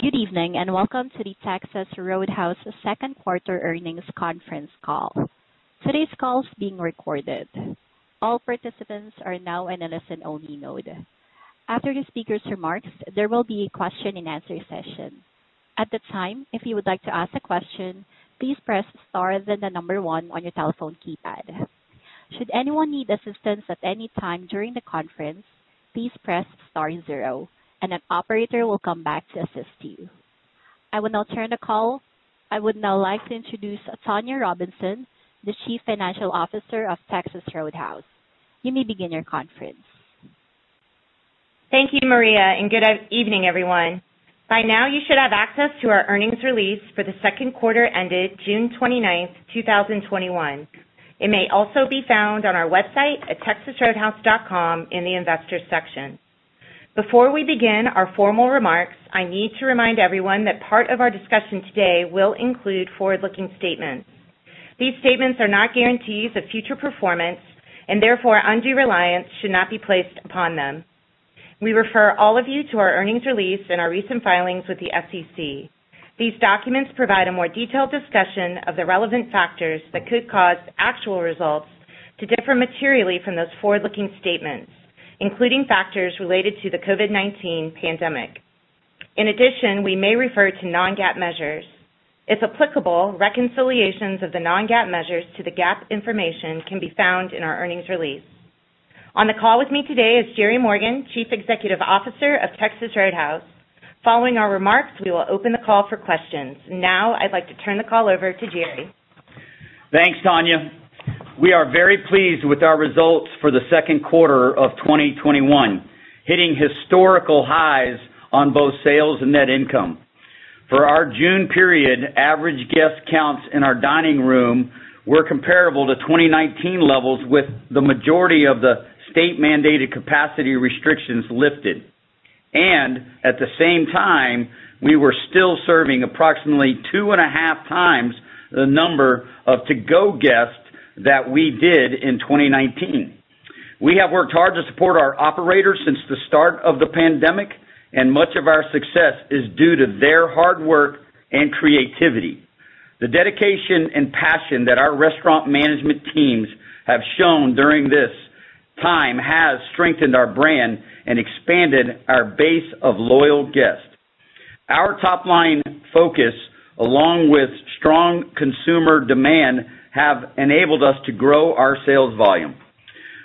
Good evening, and welcome to the Texas Roadhouse second quarter earnings conference call. Today's call is being recorded. All participants are now in a listen-only mode. After the speakers remarks, there will be a question and answer session. At the time if you would like to ask a question please press star then the number one on your telephone keypad. Should anyone need assistance at anytime during the conference please press star and zero and an operator will come back to assist you. I would now like to introduce Tonya Robinson, the Chief Financial Officer of Texas Roadhouse. You may begin your conference. Thank you, Maria, and good evening everyone. By now you should have access to our earnings release for the second quarter ended June 29th, 2021. It may also be found on our website at texasroadhouse.com in the Investors section. Before we begin our formal remarks, I need to remind everyone that part of our discussion today will include forward-looking statements. These statements are not guarantees of future performance and therefore undue reliance should not be placed upon them. We refer all of you to our earnings release and our recent filings with the SEC. These documents provide a more detailed discussion of the relevant factors that could cause actual results to differ materially from those forward-looking statements, including factors related to the COVID-19 pandemic. In addition, we may refer to non-GAAP measures. If applicable, reconciliations of the non-GAAP measures to the GAAP information can be found in our earnings release. On the call with me today is Jerry Morgan, Chief Executive Officer of Texas Roadhouse. Following our remarks, we will open the call for questions. Now I'd like to turn the call over to Jerry. Thanks, Tonya. We are very pleased with our results for the second quarter of 2021, hitting historical highs on both sales and net income. For our June period, average guest counts in our dining room were comparable to 2019 levels with the majority of the state-mandated capacity restrictions lifted. At the same time, we were still serving approximately 2.5 times the number of to-go guests that we did in 2019. We have worked hard to support our operators since the start of the pandemic, and much of our success is due to their hard work and creativity. The dedication and passion that our restaurant management teams have shown during this time has strengthened our brand and expanded our base of loyal guests. Our top-line focus, along with strong consumer demand, have enabled us to grow our sales volume.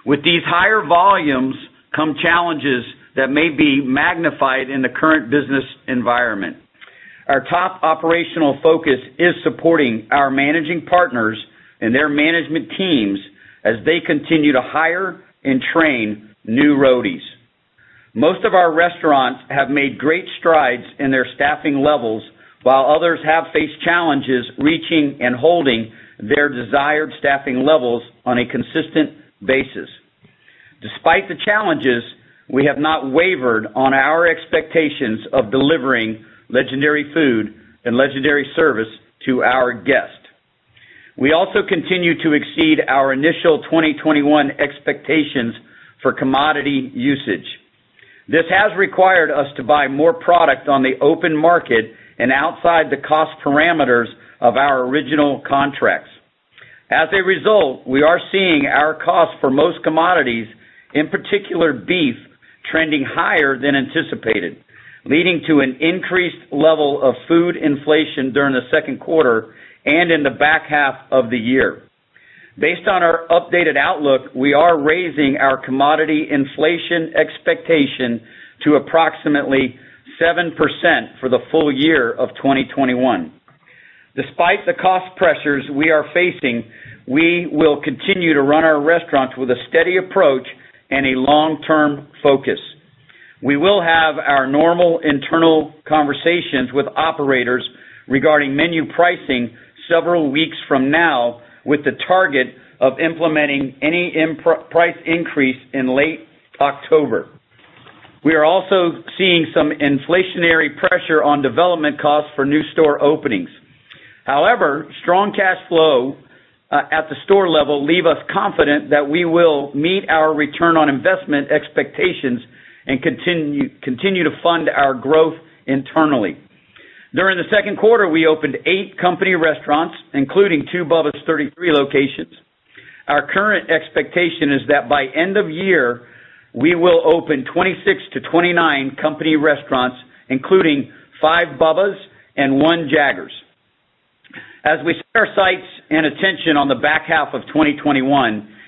With these higher volumes come challenges that may be magnified in the current business environment. Our top operational focus is supporting our Managing Partners and their management teams as they continue to hire and train new Roadies. Most of our restaurants have made great strides in their staffing levels while others have faced challenges reaching and holding their desired staffing levels on a consistent basis. Despite the challenges, we have not wavered on our expectations of delivering legendary food and legendary service to our guests. We also continue to exceed our initial 2021 expectations for commodity usage. This has required us to buy more product on the open market and outside the cost parameters of our original contracts. As a result, we are seeing our cost for most commodities, in particular beef, trending higher than anticipated, leading to an increased level of food inflation during the second quarter and in the back half of the year. Based on our updated outlook, we are raising our commodity inflation expectation to approximately 7% for the full year of 2021. Despite the cost pressures we are facing, we will continue to run our restaurants with a steady approach and a long-term focus. We will have our normal internal conversations with operators regarding menu pricing several weeks from now with the target of implementing any price increase in late October. We are also seeing some inflationary pressure on development costs for new store openings. Strong cash flow at the store level leave us confident that we will meet our return on investment expectations and continue to fund our growth internally. During the second quarter, we opened eight company restaurants, including two Bubba's 33 locations. Our current expectation is that by end of year, we will open 26-29 company restaurants, including five Bubba's and one Jaggers. As we set our sights and attention on the back half of 2021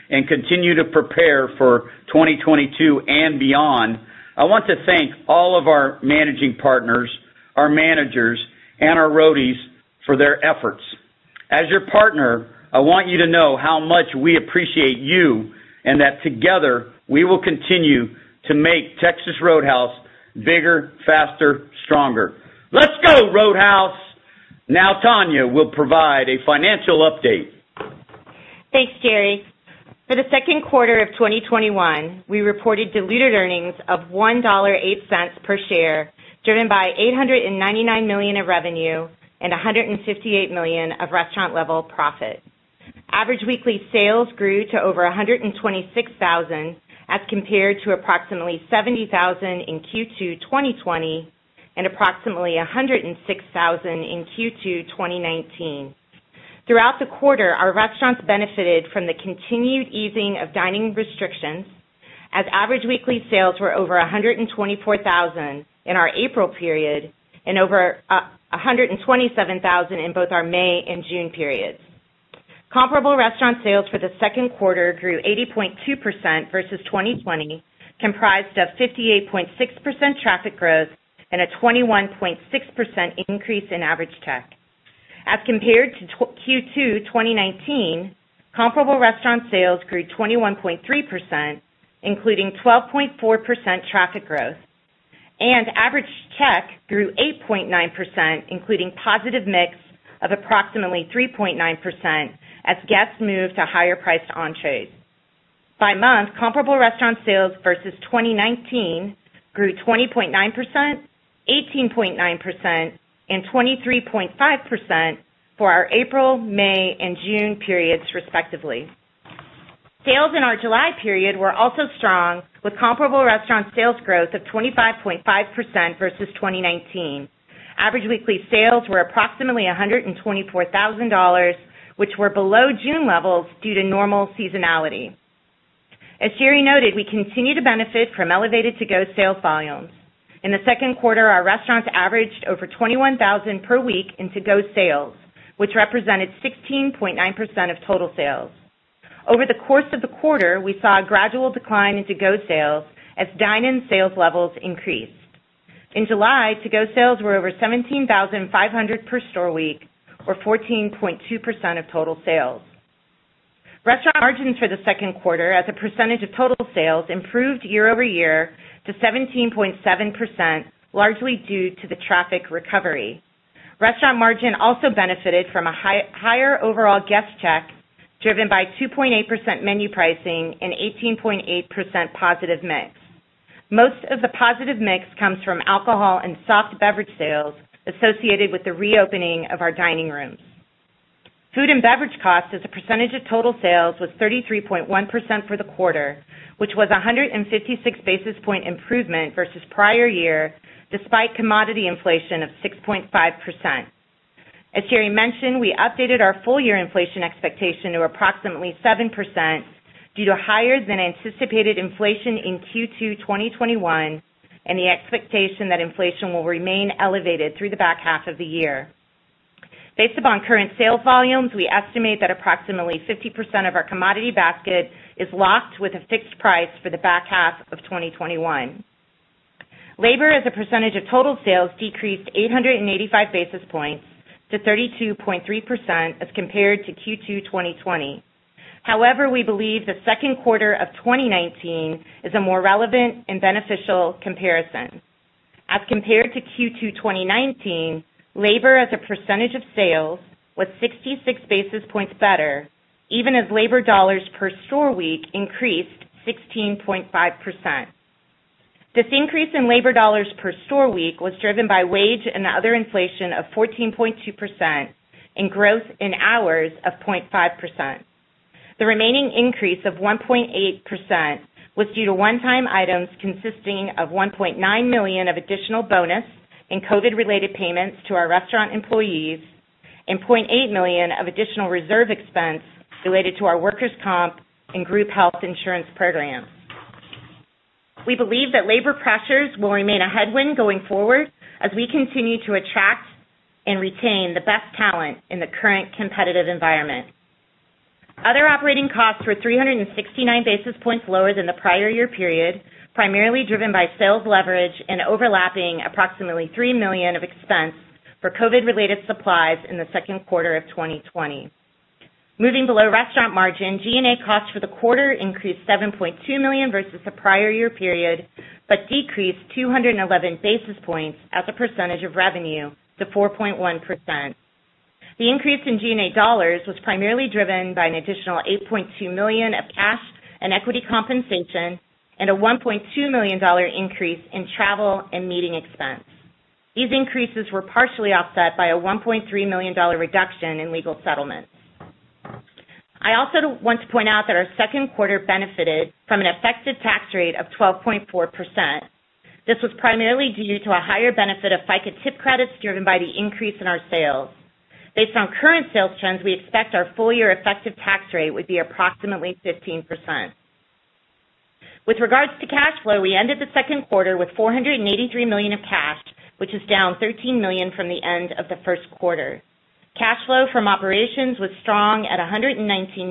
and continue to prepare for 2022 and beyond, I want to thank all of our Managing Partners, our managers, and our Roadies for their efforts. As your partner, I want you to know how much we appreciate you, and that together we will continue to make Texas Roadhouse bigger, faster, stronger. Let's go, Roadhouse. Tonya will provide a financial update. Thanks, Jerry. For the second quarter of 2021, we reported diluted earnings of $1.08 per share, driven by $899 million of revenue and $158 million of restaurant level profit. Average weekly sales grew to over $126,000 as compared to approximately $70,000 in Q2 2020 and approximately $106,000 in Q2 2019. Throughout the quarter, our restaurants benefited from the continued easing of dining restrictions, as average weekly sales were over $124,000 in our April period and over $127,000 in both our May and June periods. Comparable restaurant sales for the second quarter grew 80.2% versus 2020, comprised of 58.6% traffic growth and a 21.6% increase in average check. As compared to Q2 2019, comparable restaurant sales grew 21.3%, including 12.4% traffic growth, and average check grew 8.9%, including positive mix of approximately 3.9% as guests moved to higher priced entrees. By month, comparable restaurant sales versus 2019 grew 20.9%, 18.9% and 23.5% for our April, May and June periods respectively. Sales in our July period were also strong, with comparable restaurant sales growth of 25.5% versus 2019. Average weekly sales were approximately $124,000, which were below June levels due to normal seasonality. As Jerry noted, we continue to benefit from elevated to-go sales volumes. In the second quarter, our restaurants averaged over 21,000 per week in to-go sales, which represented 16.9% of total sales. Over the course of the quarter, we saw a gradual decline in to-go sales as dine-in sales levels increased. In July, to-go sales were over 17,500 per store week or 14.2% of total sales. Restaurant margins for the second quarter as a percentage of total sales improved year-over-year to 17.7%, largely due to the traffic recovery. Restaurant margin also benefited from a higher overall guest check, driven by 2.8% menu pricing and 18.8% positive mix. Most of the positive mix comes from alcohol and soft beverage sales associated with the reopening of our dining rooms. Food and beverage cost as a percentage of total sales was 33.1% for the quarter, which was 156 basis points improvement versus prior year, despite commodity inflation of 6.5%. As Jerry mentioned, we updated our full year inflation expectation to approximately 7% due to higher than anticipated inflation in Q2 2021, and the expectation that inflation will remain elevated through the back half of the year. Based upon current sales volumes, we estimate that approximately 50% of our commodity basket is locked with a fixed price for the back half of 2021. Labor as a percentage of total sales decreased 885 basis points to 32.3% as compared to Q2 2020. However, we believe the second quarter of 2019 is a more relevant and beneficial comparison. As compared to Q2 2019, labor as a percentage of sales was 66 basis points better, even as labor dollars per store week increased 16.5%. This increase in labor dollars per store week was driven by wage and other inflation of 14.2%, and growth in hours of 0.5%. The remaining increase of 1.8% was due to one-time items consisting of $1.9 million of additional bonus and COVID-19 related payments to our restaurant employees, and $0.8 million of additional reserve expense related to our workers' comp and group health insurance program. We believe that labor pressures will remain a headwind going forward as we continue to attract and retain the best talent in the current competitive environment. Other operating costs were 369 basis points lower than the prior year period, primarily driven by sales leverage and overlapping approximately $3 million of expense for COVID-19 related supplies in the second quarter of 2020. Moving below restaurant margin, G&A costs for the quarter increased $7.2 million versus the prior year period, but decreased 211 basis points as a percentage of revenue to 4.1%. The increase in G&A dollars was primarily driven by an additional $8.2 million of cash and equity compensation and a $1.2 million increase in travel and meeting expense. These increases were partially offset by a $1.3 million reduction in legal settlements. I also want to point out that our second quarter benefited from an effective tax rate of 12.4%. This was primarily due to a higher benefit of FICA Tip Credit driven by the increase in our sales. Based on current sales trends, we expect our full year effective tax rate would be approximately 15%. With regards to cash flow, we ended the second quarter with $483 million of cash, which is down $13 million from the end of the first quarter. Cash flow from operations was strong at $119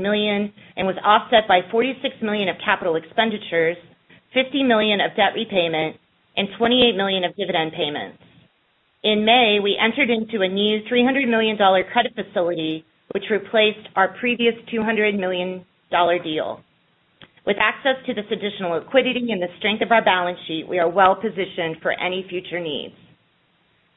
million and was offset by $46 million of capital expenditures, $50 million of debt repayment, and $28 million of dividend payments. In May, we entered into a new $300 million credit facility, which replaced our previous $200 million deal. With access to this additional liquidity and the strength of our balance sheet, we are well positioned for any future needs.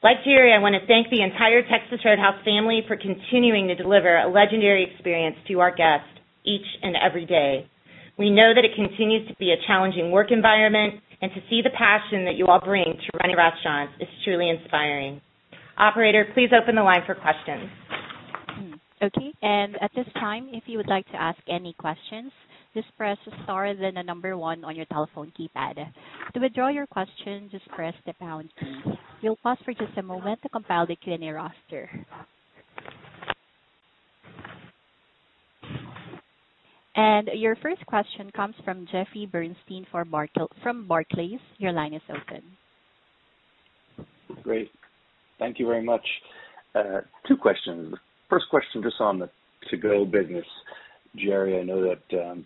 Like Jerry, I want to thank the entire Texas Roadhouse family for continuing to deliver a legendary experience to our guests each and every day. We know that it continues to be a challenging work environment, and to see the passion that you all bring to running restaurants is truly inspiring. Operator, please open the line for questions. Okay. At this time, if you would like to ask any questions, just press star then the number one on your telephone keypad. To withdraw your question, just press the pound key. We'll pause for just a moment to compile the Q&A roster. Your first question comes from Jeffrey Bernstein from Barclays. Your line is open. Great. Thank you very much. Two questions. First question just on the to-go business. Jerry, I know that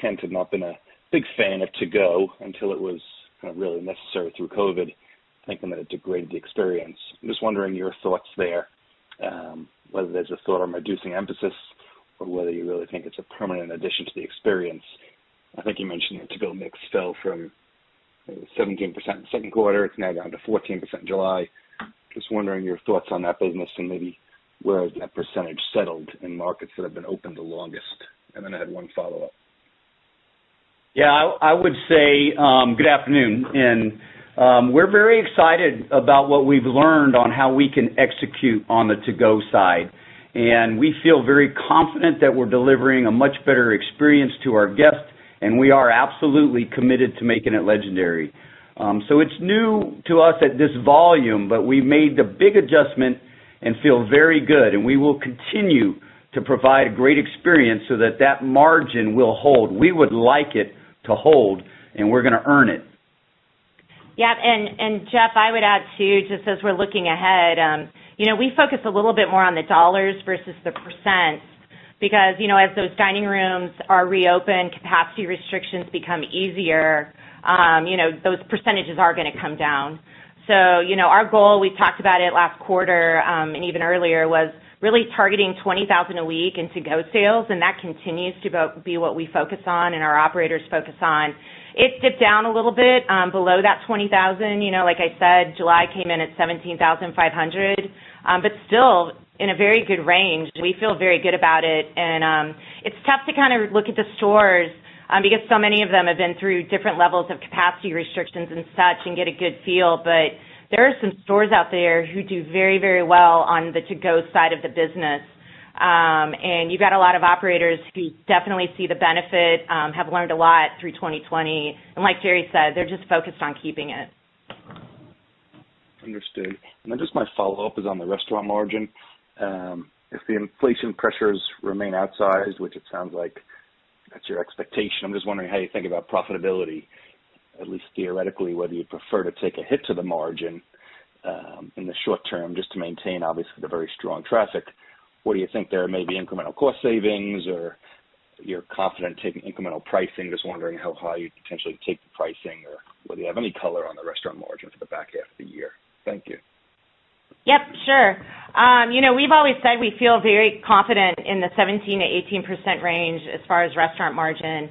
Kent had not been a big fan of to-go until it was really necessary through COVID, thinking that it degraded the experience. I'm just wondering your thoughts there, whether there's a thought on reducing emphasis or whether you really think it's a permanent addition to the experience. I think you mentioned the to-go mix fell from 17% in the second quarter. It's now down to 14% in July. Just wondering your thoughts on that business and maybe where that percentage settled in markets that have been open the longest. Then I had one follow-up. Yeah, I would say, good afternoon. We are very excited about what we have learned on how we can execute on the to-go side. We feel very confident that we are delivering a much better experience to our guests, and we are absolutely committed to making it legendary. It is new to us at this volume, but we have made the big adjustment and feel very good, and we will continue to provide a great experience so that that margin will hold. We would like it to hold, and we are going to earn it. Yeah. Jeff, I would add, too, just as we're looking ahead. We focus a little bit more on the dollars versus the percent because, as those dining rooms are reopened, capacity restrictions become easier. Those percentage are going to come down. Our goal, we talked about it last quarter, and even earlier, was really targeting $20,000 a week in to-go sales, and that continues to be what we focus on and our operators focus on. It dipped down a little bit below that $20,000. Like I said, July came in at $17,500. Still in a very good range. We feel very good about it. It's tough to look at the stores because so many of them have been through different levels of capacity restrictions and such and get a good feel. There are some stores out there who do very well on the to-go side of the business. You've got a lot of operators who definitely see the benefit, have learned a lot through 2020. Like Jerry said, they're just focused on keeping it. Understood. Just my follow-up is on the restaurant margin. If the inflation pressures remain outsized, which it sounds like that's your expectation, I'm just wondering how you think about profitability, at least theoretically, whether you'd prefer to take a hit to the margin, in the short term, just to maintain, obviously, the very strong traffic. What do you think there may be incremental cost savings, or you're confident taking incremental pricing? Just wondering how high you'd potentially take the pricing, or whether you have any color on the restaurant margin for the back half of the year. Thank you. Yep. Sure. We've always said we feel very confident in the 17%-18% range as far as restaurant margin.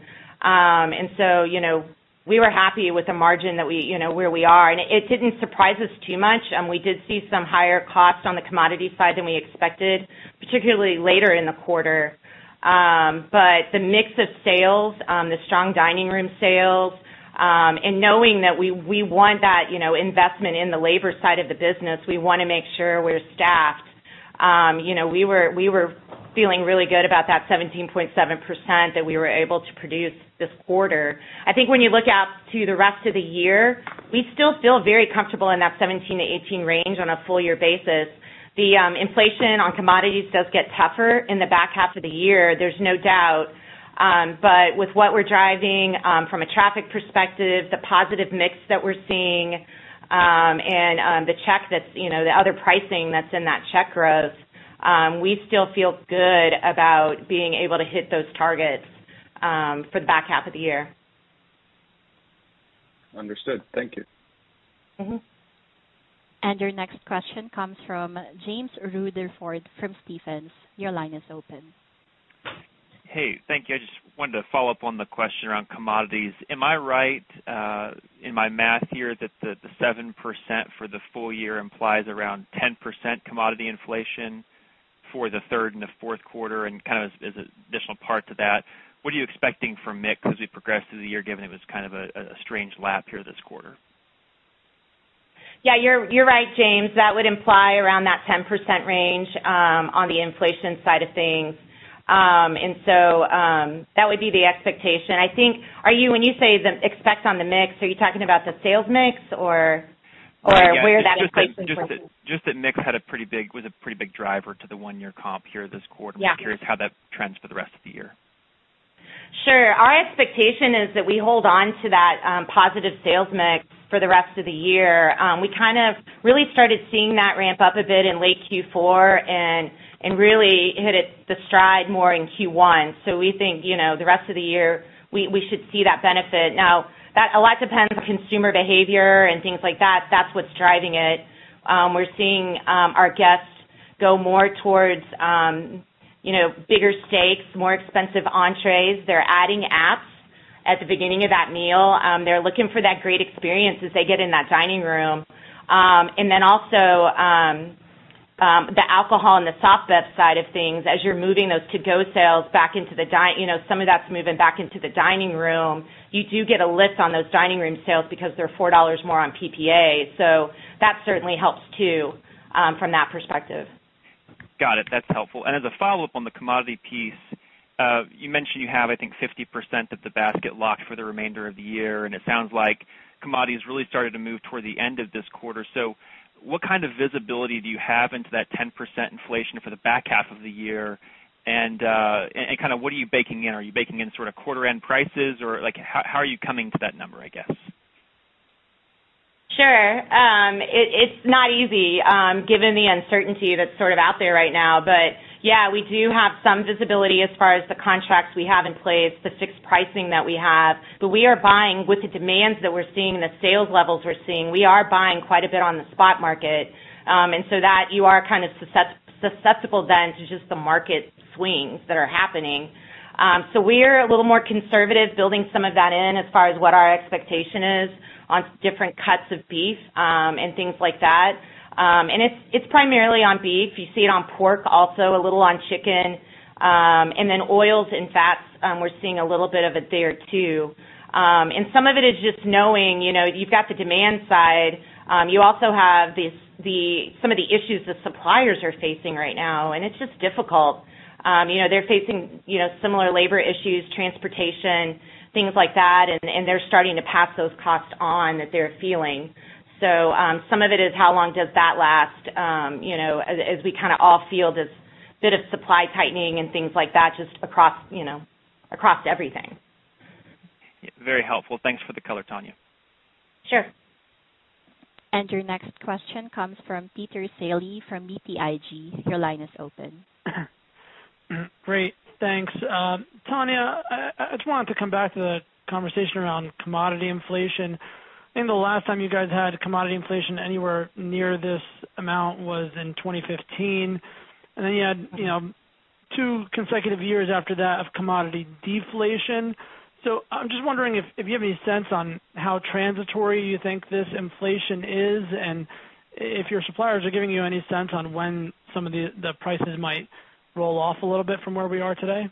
We were happy with the margin where we are, and it didn't surprise us too much. We did see some higher costs on the commodity side than we expected, particularly later in the quarter. The mix of sales, the strong dining room sales, and knowing that we want that investment in the labor side of the business, we want to make sure we're staffed. We were feeling really good about that 17.7% that we were able to produce this quarter. I think when you look out to the rest of the year, we still feel very comfortable in that 17%-18% range on a full-year basis. The inflation on commodities does get tougher in the back half of the year. There's no doubt. With what we're driving from a traffic perspective, the positive mix that we're seeing, and the other pricing that's in that check growth, we still feel good about being able to hit those targets for the back half of the year. Understood. Thank you. Your next question comes from Jim Salera from Stephens. Your line is open. Hey. Thank you. I just wanted to follow up on the question around commodities. Am I right in my math here that the 7% for the full year implies around 10% commodity inflation for the third and fourth quarter? As an additional part to that, what are you expecting from mix as we progress through the year, given it was kind of a strange lap here this quarter? Yeah. You're right, Jim. That would imply around that 10% range on the inflation side of things. That would be the expectation. When you say expect on the mix, are you talking about the sales mix or where that inflation- Yeah. Just that mix was a pretty big driver to the one-year comp here this quarter. Yeah. I'm curious how that trends for the rest of the year. Sure. Our expectation is that we hold on to that positive sales mix for the rest of the year. We kind of really started seeing that ramp up a bit in late Q4 and really hit it, the stride more in Q1. We think, the rest of the year, we should see that benefit. A lot depends on consumer behavior and things like that. That's what's driving it. We're seeing our guests go more towards bigger steaks, more expensive entrees. They're adding apps at the beginning of that meal. They're looking for that great experience as they get in that dining room. Then also The alcohol and the soft bev side of things, as you're moving those to-go sales back into the dining room. Some of that's moving back into the dining room. You do get a lift on those dining room sales because they're $4 more on PPA. That certainly helps too from that perspective. Got it. That's helpful. As a follow-up on the commodity piece, you mentioned you have, I think, 50% of the basket locked for the remainder of the year, and it sounds like commodities really started to move toward the end of this quarter. What kind of visibility do you have into that 10% inflation for the back half of the year, and what are you baking in? Are you baking in sort of quarter-end prices, or how are you coming to that number, I guess? Sure. It's not easy given the uncertainty that's out there right now. Yeah, we do have some visibility as far as the contracts we have in place, the fixed pricing that we have. With the demands that we're seeing and the sales levels we're seeing, we are buying quite a bit on the spot market. That you are kind of susceptible then to just the market swings that are happening. We're a little more conservative building some of that in as far as what our expectation is on different cuts of beef and things like that. It's primarily on beef. You see it on pork also, a little on chicken. Oils and fats, we're seeing a little bit of it there, too. Some of it is just knowing you've got the demand side. You also have some of the issues the suppliers are facing right now. It's just difficult. They're facing similar labor issues, transportation, things like that, and they're starting to pass those costs on that they're feeling. Some of it is how long does that last as we all feel this bit of supply tightening and things like that just across everything. Very helpful. Thanks for the color, Tonya. Sure. Your next question comes from Peter Saleh from BTIG. Your line is open. Great. Thanks. Tonya, I just wanted to come back to the conversation around commodity inflation. I think the last time you guys had commodity inflation anywhere near this amount was in 2015. Then you had two consecutive years after that of commodity deflation. I'm just wondering if you have any sense on how transitory you think this inflation is, and if your suppliers are giving you any sense on when some of the prices might roll off a little bit from where we are today.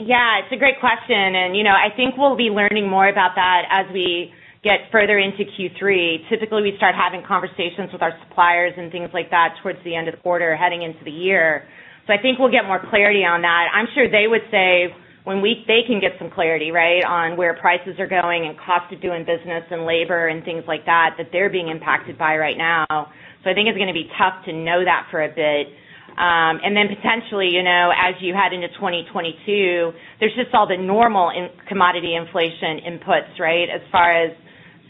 Yeah, it's a great question. I think we'll be learning more about that as we get further into Q3. Typically, we start having conversations with our suppliers and things like that towards the end of the quarter heading into the year. I think we'll get more clarity on that. I'm sure they would say when they can get some clarity on where prices are going and cost of doing business and labor and things like that they're being impacted by right now. I think it's going to be tough to know that for a bit. Potentially, as you head into 2022, there's just all the normal commodity inflation inputs. As far as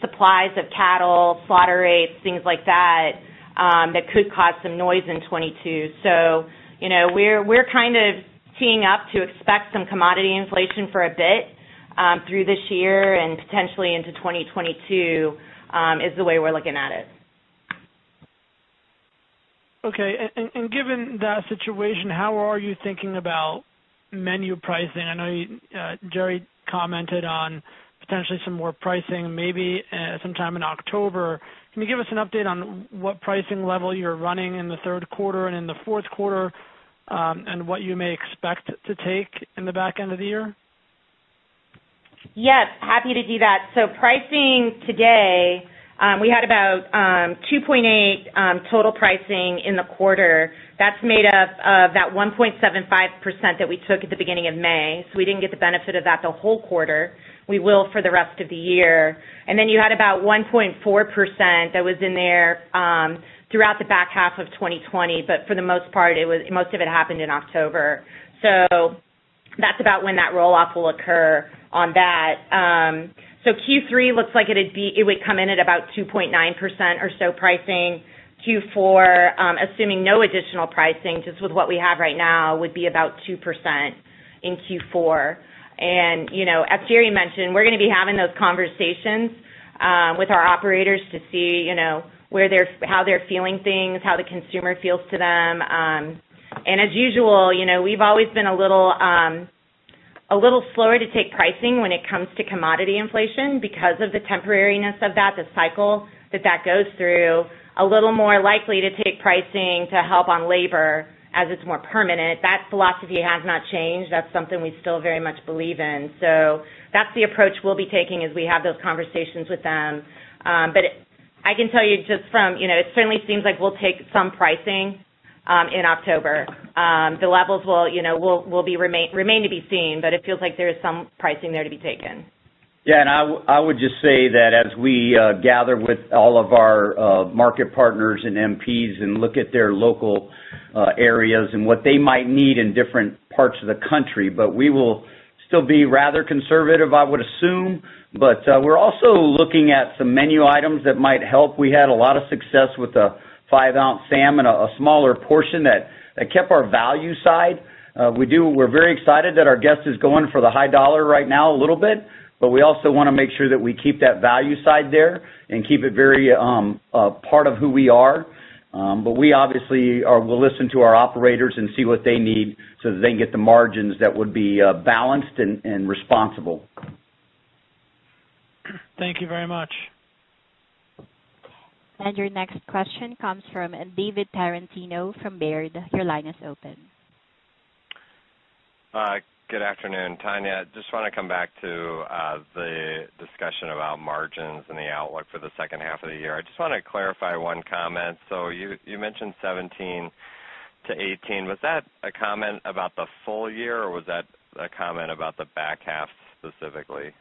supplies of cattle, slaughter rates, things like that could cause some noise in 2022. We're kind of teeing up to expect some commodity inflation for a bit through this year and potentially into 2022 is the way we're looking at it. Okay. Given that situation, how are you thinking about menu pricing? I know Jerry commented on potentially some more pricing maybe sometime in October. Can you give us an update on what pricing level you're running in the third quarter and in the fourth quarter and what you may expect to take in the back end of the year? Yes, happy to do that. Pricing today, we had about 2.8 total pricing in the quarter. That's made up of that 1.75% that we took at the beginning of May. We didn't get the benefit of that the whole quarter. We will for the rest of the year. You had about 1.4% that was in there throughout the back half of 2020. For the most part, most of it happened in October. That's about when that roll-off will occur on that. Q3 looks like it would come in at about 2.9% or so pricing. Q4, assuming no additional pricing, just with what we have right now, would be about 2% in Q4. As Jerry mentioned, we're going to be having those conversations with our operators to see how they're feeling things, how the consumer feels to them. As usual, we've always been a little slower to take pricing when it comes to commodity inflation because of the temporariness of that, the cycle that goes through. A little more likely to take pricing to help on labor as it's more permanent. That philosophy has not changed. That's something we still very much believe in. That's the approach we'll be taking as we have those conversations with them. I can tell you it certainly seems like we'll take some pricing in October. The levels will remain to be seen, but it feels like there is some pricing there to be taken. Yeah, I would just say that as we gather with all of our Market Partners and MPs and look at their local areas and what they might need in different parts of the country. We will still be rather conservative, I would assume. We're also looking at some menu items that might help. We had a lot of success with a 5-ounce salmon, a smaller portion that kept our value side. We're very excited that our guest is going for the high dollar right now a little bit, but we also want to make sure that we keep that value side there and keep it very part of who we are. We obviously will listen to our operators and see what they need so that they can get the margins that would be balanced and responsible. Thank you very much. Your next question comes from David Tarantino from Baird. Your line is open. Good afternoon, Tonya. Just want to come back to the discussion about margins and the outlook for the second half of the year. I just want to clarify one comment. You mentioned 17%-18%. Was that a comment about the full year, or was that a comment about the back half specifically?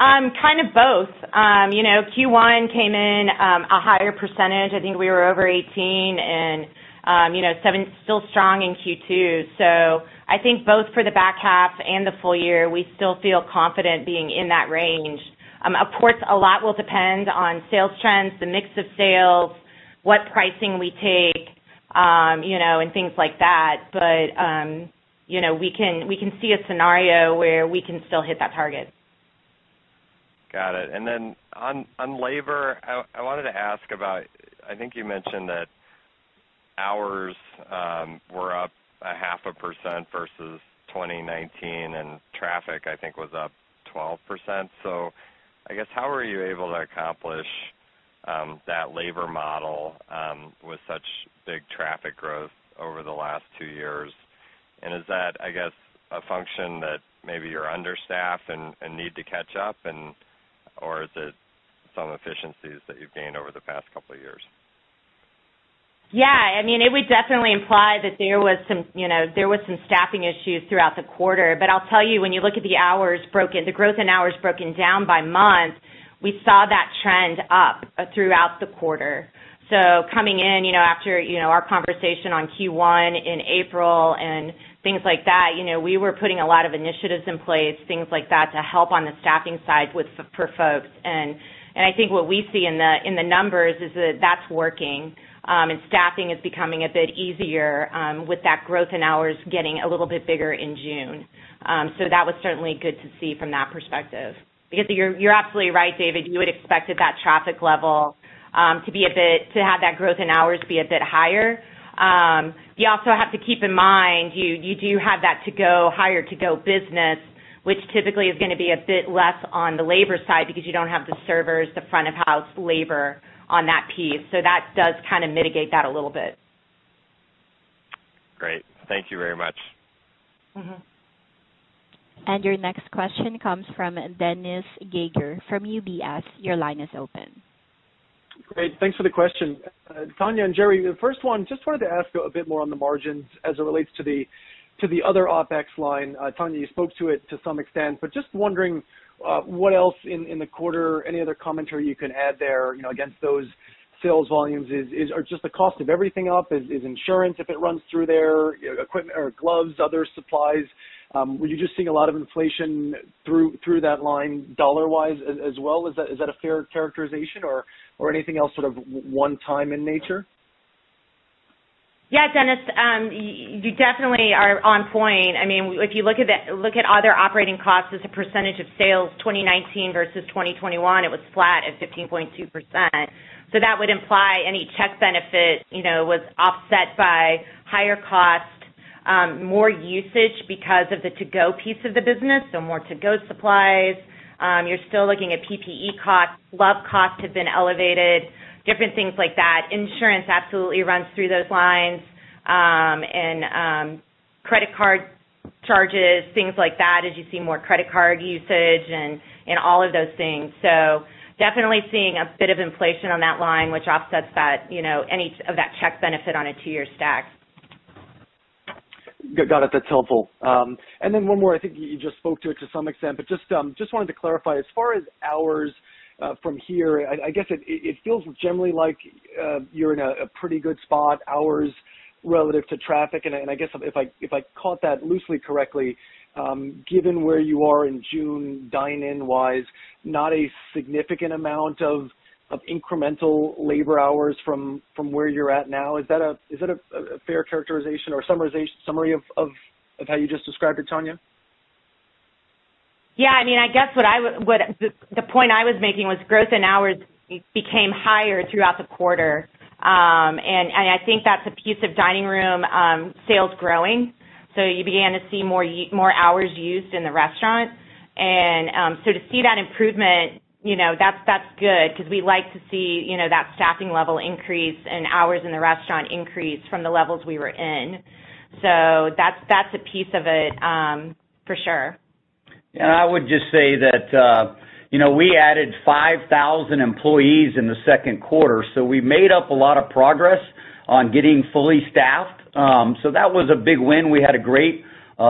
Kind of both. Q1 came in a higher percentage. I think we were over 18% and 17%, still strong in Q2. I think both for the back half and the full year, we still feel confident being in that range. Of course, a lot will depend on sales trends, the mix of sales, what pricing we take, and things like that. We can see a scenario where we can still hit that target. Got it. Then on labor, I wanted to ask about, I think you mentioned that hours were up 0.5% versus 2019, and traffic, I think, was up 12%. I guess, how were you able to accomplish that labor model with such big traffic growth over the last two years? Is that, I guess, a function that maybe you're understaffed and need to catch up, or is it some efficiencies that you've gained over the past couple of years? It would definitely imply that there was some staffing issues throughout the quarter. I'll tell you, when you look at the growth in hours broken down by month, we saw that trend up throughout the quarter. Coming in after our conversation on Q1 in April and things like that, we were putting a lot of initiatives in place, things like that to help on the staffing side for folks. I think what we see in the numbers is that that's working. Staffing is becoming a bit easier with that growth in hours getting a little bit bigger in June. That was certainly good to see from that perspective. You're absolutely right, David. You would expect at that traffic level to have that growth in hours be a bit higher. You also have to keep in mind, you do have that to-go, higher to-go business, which typically is going to be a bit less on the labor side because you don't have the servers, the front-of-house labor on that piece. That does kind of mitigate that a little bit. Great. Thank you very much. Your next question comes from Dennis Geiger from UBS. Your line is open. Great. Thanks for the question. Tonya and Jerry, the first one, just wanted to ask a bit more on the margins as it relates to the other OpEx line. Tonya, you spoke to it to some extent, but just wondering what else in the quarter, any other commentary you can add there against those sales volumes. Is just the cost of everything up? Is insurance, if it runs through there, equipment or gloves, other supplies? Were you just seeing a lot of inflation through that line dollar-wise as well? Is that a fair characterization or anything else sort of one time in nature? Yeah, Dennis, you definitely are on point. If you look at other operating costs as a percentage of sales, 2019 versus 2021, it was flat at 15.2%. That would imply any check benefit was offset by higher cost, more usage because of the to-go piece of the business, so more to-go supplies. You're still looking at PPE costs. Glove costs have been elevated, different things like that. Insurance absolutely runs through those lines, and credit card charges, things like that as you see more credit card usage and all of those things. Definitely seeing a bit of inflation on that line, which offsets any of that check benefit on a two-year stack. Got it. That's helpful. Then one more, I think you just spoke to it to some extent, but just wanted to clarify, as far as hours from here, I guess it feels generally like you're in a pretty good spot hours relative to traffic, and I guess if I caught that loosely correctly, given where you are in June dine-in wise, not a significant amount of incremental labor hours from where you're at now. Is that a fair characterization or summary of how you just described it, Tonya? Yeah. I guess the point I was making was growth in hours became higher throughout the quarter. I think that's a piece of dining room sales growing. You began to see more hours used in the restaurant. To see that improvement, that's good because we like to see that staffing level increase and hours in the restaurant increase from the levels we were in. That's a piece of it for sure. I would just say that we added 5,000 employees in the second quarter, so we made up a lot of progress on getting fully staffed. That was a big win. We had a great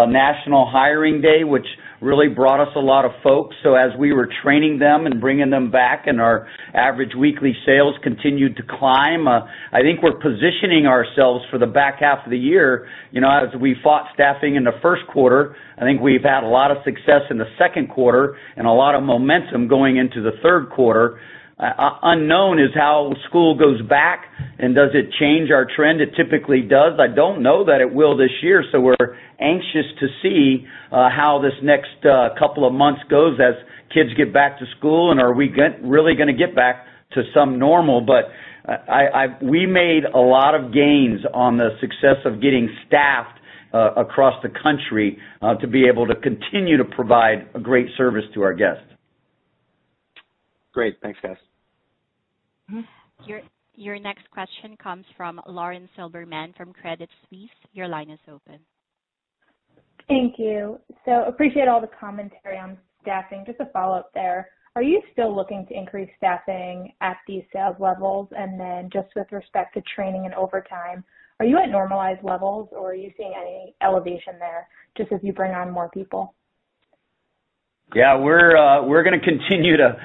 national hiring day, which really brought us a lot of folks. As we were training them and bringing them back and our average weekly sales continued to climb, I think we're positioning ourselves for the back half of the year. As we fought staffing in the first quarter, I think we've had a lot of success in the second quarter and a lot of momentum going into the third quarter. Unknown is how school goes back and does it change our trend. It typically does. I don't know that it will this year, so we're anxious to see how this next couple of months goes as kids get back to school, and are we really going to get back to some normal? We made a lot of gains on the success of getting staffed across the country, to be able to continue to provide a great service to our guests. Great. Thanks, guys. Your next question comes from Lauren Silberman from Credit Suisse. Your line is open. Thank you. Appreciate all the commentary on staffing. A follow-up there. Are you still looking to increase staffing at these sales levels? With respect to training and overtime, are you at normalized levels or are you seeing any elevation there just as you bring on more people? Yeah, we're going to continue to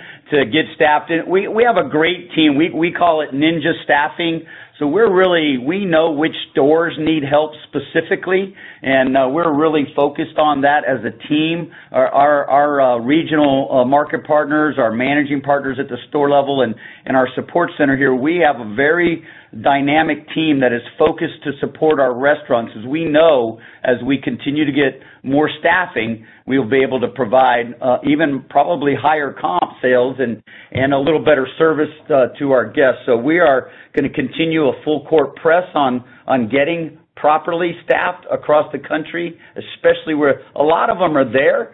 get staffed. We have a great team. We call it ninja staffing. We know which stores need help specifically, and we're really focused on that as a team. Our regional Market Partners, our Managing Partners at the store level, and our support center here, we have a very dynamic team that is focused to support our restaurants, as we know as we continue to get more staffing, we will be able to provide even probably higher comp sales and a little better service to our guests. We are going to continue a full-court press on getting properly staffed across the country, especially where a lot of them are there.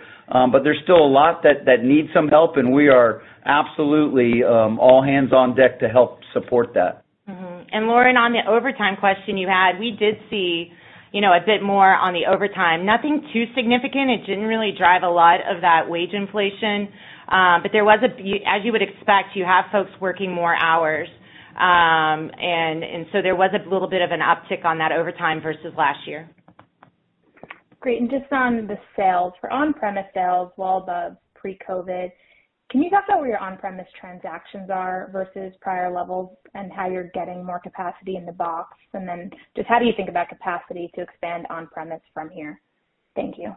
There's still a lot that needs some help, and we are absolutely all hands on deck to help support that. Lauren, on the overtime question you had, we did see a bit more on the overtime. Nothing too significant. It didn't really drive a lot of that wage inflation. As you would expect, you have folks working more hours. So there was a little bit of an uptick on that overtime versus last year. Great. Just on the sales, for on-premise sales, well above pre-COVID, can you talk about where your on-premise transactions are versus prior levels and how you're getting more capacity in the box? Then just how do you think about capacity to expand on-premise from here? Thank you.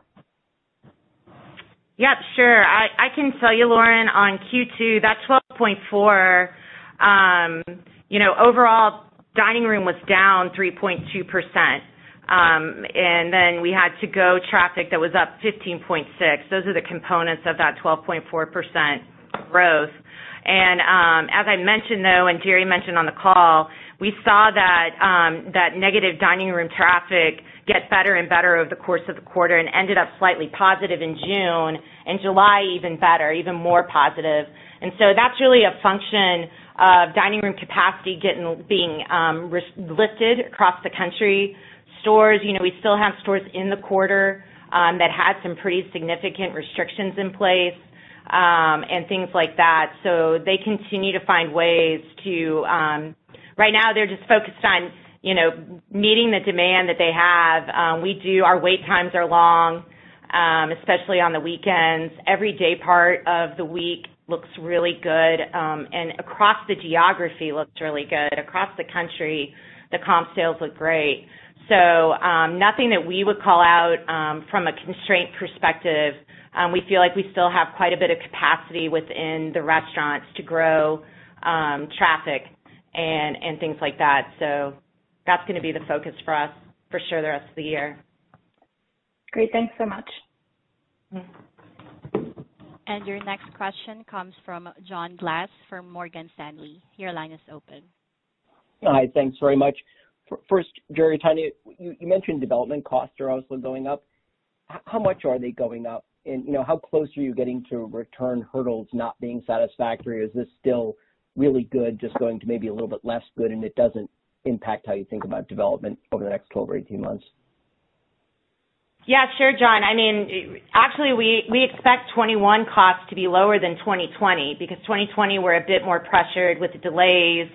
Yep, sure. I can tell you, Lauren, on Q2, that 12.4%, overall dining room was down 3.2%. Then we had to-go traffic that was up 15.6%. Those are the components of that 12.4% growth. As I mentioned, though, Jerry mentioned on the call, we saw that negative dining room traffic get better and better over the course of the quarter and ended up slightly positive in June, and July even better, even more positive. That's really a function of dining room capacity being lifted across the country. We still have stores in the quarter that had some pretty significant restrictions in place, and things like that. Right now, they're just focused on meeting the demand that they have. Our wait times are long, especially on the weekends. Every day part of the week looks really good, and across the geography looks really good. Across the country, the comp sales look great. Nothing that we would call out from a constraint perspective. We feel like we still have quite a bit of capacity within the restaurants to grow traffic and things like that. That's going to be the focus for us for sure the rest of the year. Great. Thanks so much. Your next question comes from John Glass from Morgan Stanley. Hi. Thanks very much. First, Jerry, Tonya, you mentioned development costs are also going up. How much are they going up? How close are you getting to return hurdles not being satisfactory? Is this still really good, just going to maybe a little bit less good, and it doesn't impact how you think about development over the next 12 or 18 months? Yeah, sure, John. Actually, we expect 2021 costs to be lower than 2020 because 2020, we're a bit more pressured with the delays,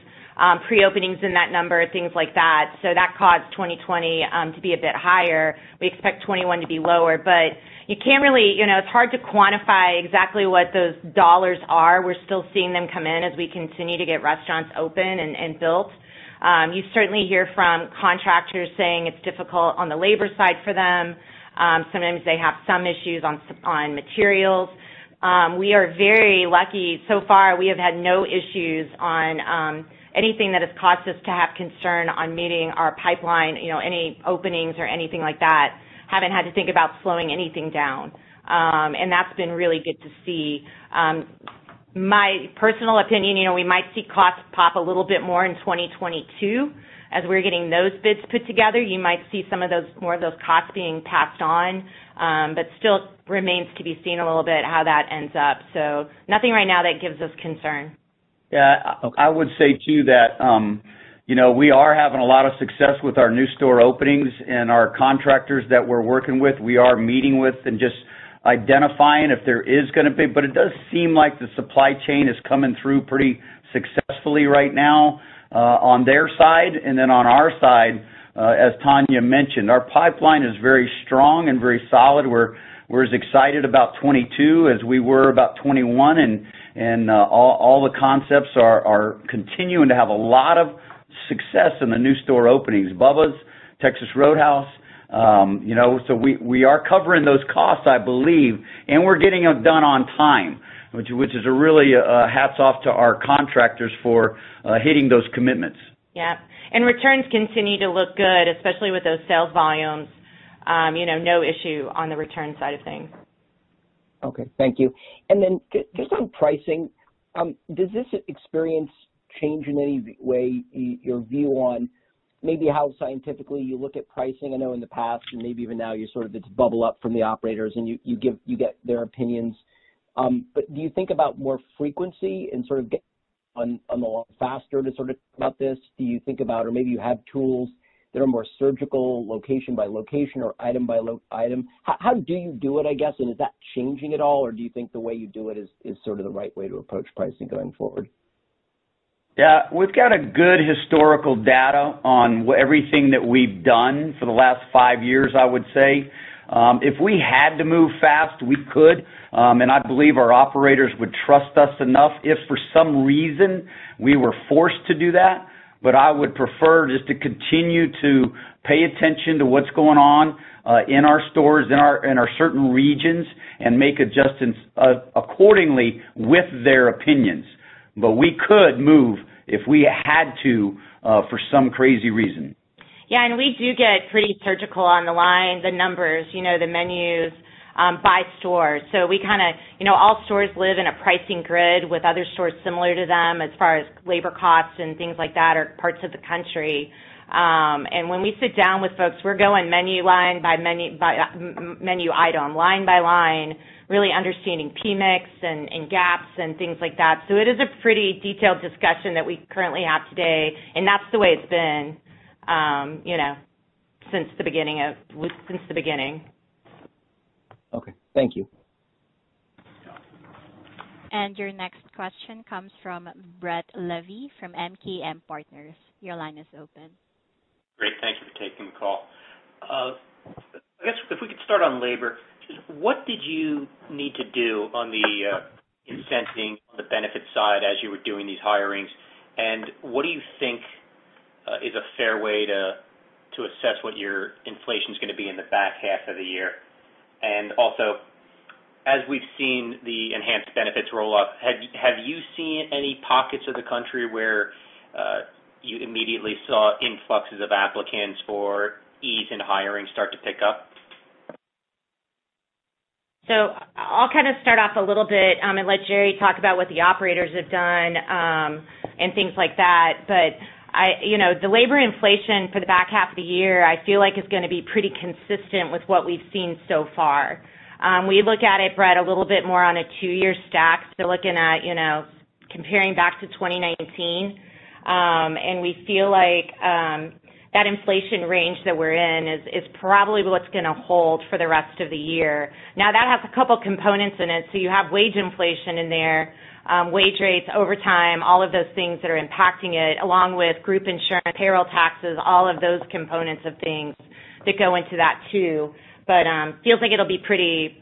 pre-openings in that number, things like that. That caused 2020 to be a bit higher. We expect 2021 to be lower. It's hard to quantify exactly what those dollars are. We're still seeing them come in as we continue to get restaurants open and built. You certainly hear from contractors saying it's difficult on the labor side for them. Sometimes they have some issues on materials. We are very lucky. So far, we have had no issues on anything that has caused us to have concern on meeting our pipeline, any openings or anything like that. Haven't had to think about slowing anything down. That's been really good to see. My personal opinion, we might see costs pop a little bit more in 2022. As we're getting those bids put together, you might see more of those costs being passed on. Still remains to be seen a little bit how that ends up. Nothing right now that gives us concern. I would say, too, that we're having a lot of success with our new store openings and our contractors that we're working with, we are meeting with and just identifying if there is going to be. It does seem like the supply chain is coming through pretty successfully right now on their side. On our side, as Tonya mentioned, our pipeline is very strong and very solid. We're as excited about 2022 as we were about 2021, all the concepts are continuing to have a lot of success in the new store openings, Bubba's, Texas Roadhouse. We are covering those costs, I believe, and we're getting them done on time, which is a really hats off to our contractors for hitting those commitments. Yep. Returns continue to look good, especially with those sales volumes. No issue on the return side of things. Okay. Thank you. Then just on pricing, does this experience change in any way your view on maybe how scientifically you look at pricing? I know in the past, and maybe even now, you sort of just bubble up from the operators and you get their opinions. Do you think about more frequency and sort of get on the faster to sort of think about this? Do you think about, or maybe you have tools that are more surgical location by location or item by item? How do you do it, I guess, and is that changing at all, or do you think the way you do it is sort of the right way to approach pricing going forward? Yeah. We've got a good historical data on everything that we've done for the last five years, I would say. If we had to move fast, we could, and I believe our operators would trust us enough if for some reason we were forced to do that. I would prefer just to continue to pay attention to what's going on in our stores, in our certain regions, and make adjustments accordingly with their opinions. We could move if we had to for some crazy reason. Yeah, we do get pretty surgical on the lines, the numbers, the menus by store. All stores live in a pricing grid with other stores similar to them as far as labor costs and things like that, or parts of the country. When we sit down with folks, we're going menu item, line by line, really understanding PMIX and gaps and things like that. It is a pretty detailed discussion that we currently have today, and that's the way it's been since the beginning. Okay. Thank you. Your next question comes from Brett Levy from MKM Partners. Your line is open. Great. Thank you for taking the call. I guess if we could start on labor, just what did you need to do on the incenting, on the benefit side as you were doing these hirings, and what do you think is a fair way to assess what your inflation's going to be in the back half of the year? Also, as we've seen the enhanced benefits roll off, have you seen any pockets of the country where you immediately saw influxes of applicants for ease in hiring start to pick up? I'll kind of start off a little bit and let Jerry talk about what the operators have done, and things like that. The labor inflation for the back half of the year, I feel like is going to be pretty consistent with what we've seen so far. We look at it, Brett, a little bit more on a two-year stack, so looking at comparing back to 2019. We feel like that inflation range that we're in is probably what's going to hold for the rest of the year. Now, that has a couple components in it. You have wage inflation in there, wage rates, overtime, all of those things that are impacting it, along with group insurance, payroll taxes, all of those components of things that go into that too. Feels like it'll be pretty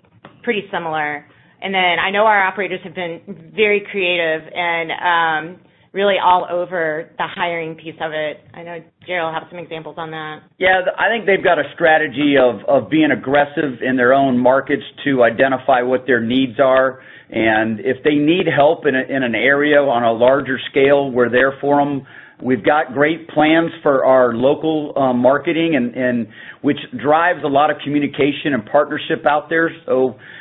similar. I know our operators have been very creative and really all over the hiring piece of it. I know Jerry will have some examples on that. Yeah. I think they've got a strategy of being aggressive in their own markets to identify what their needs are. If they need help in an area on a larger scale, we're there for them. We've got great plans for our local marketing, which drives a lot of communication and partnership out there.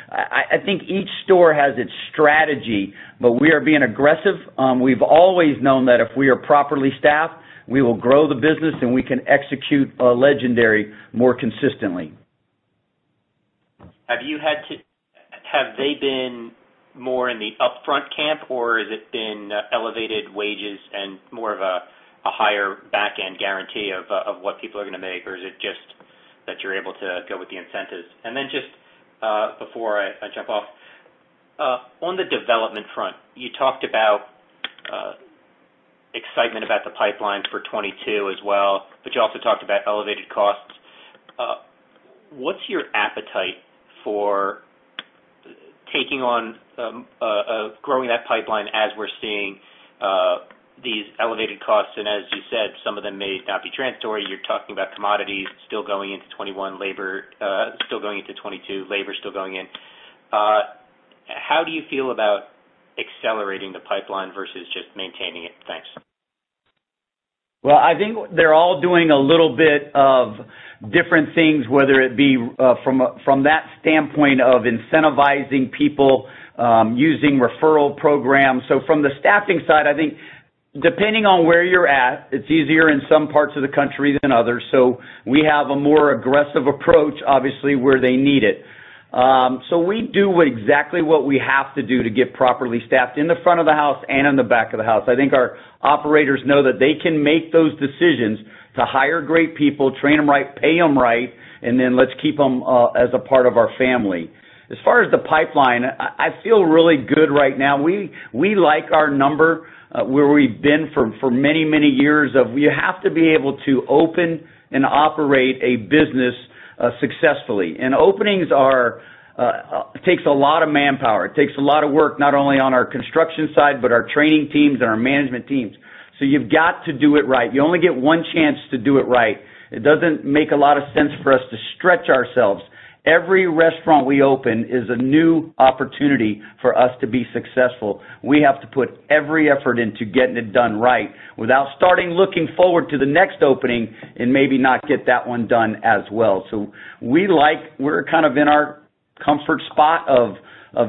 I think each store has its strategy, but we are being aggressive. We've always known that if we are properly staffed, we will grow the business, and we can execute legendary more consistently. Have they been more in the upfront camp, or has it been elevated wages and more of a higher back end guarantee of what people are going to make? Or is it just that you're able to go with the incentives? Then just before I jump off, on the development front, you talked about excitement about the pipeline for 2022 as well, but you also talked about elevated costs. What's your appetite for growing that pipeline as we're seeing these elevated costs? As you said, some of them may not be transitory. You're talking about commodities still going into 2022, labor still going in. How do you feel about accelerating the pipeline versus just maintaining it? Thanks. Well, I think they're all doing a little bit of different things, whether it be from that standpoint of incentivizing people, using referral programs. From the staffing side, I think depending on where you're at, it's easier in some parts of the country than others. We have a more aggressive approach, obviously, where they need it. We do exactly what we have to do to get properly staffed in the front of the house and in the back of the house. I think our operators know that they can make those decisions to hire great people, train them right, pay them right, and then let's keep them as a part of our family. As far as the pipeline, I feel really good right now. We like our number, where we've been for many, many years of we have to be able to open and operate a business successfully. Openings takes a lot of manpower. It takes a lot of work, not only on our construction side, but our training teams and our management teams. You've got to do it right. You only get one chance to do it right. It doesn't make a lot of sense for us to stretch ourselves. Every restaurant we open is a new opportunity for us to be successful. We have to put every effort into getting it done right without starting looking forward to the next opening and maybe not get that one done as well. We're kind of in our comfort spot of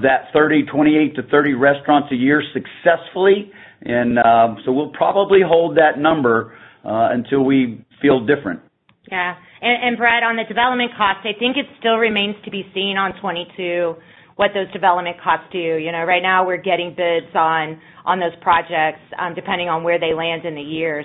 that 28-30 restaurants a year successfully. We'll probably hold that number until we feel different. Brett, on the development cost, it still remains to be seen on 2022 what those development costs do. Right now we're getting bids on those projects, depending on where they land in the year.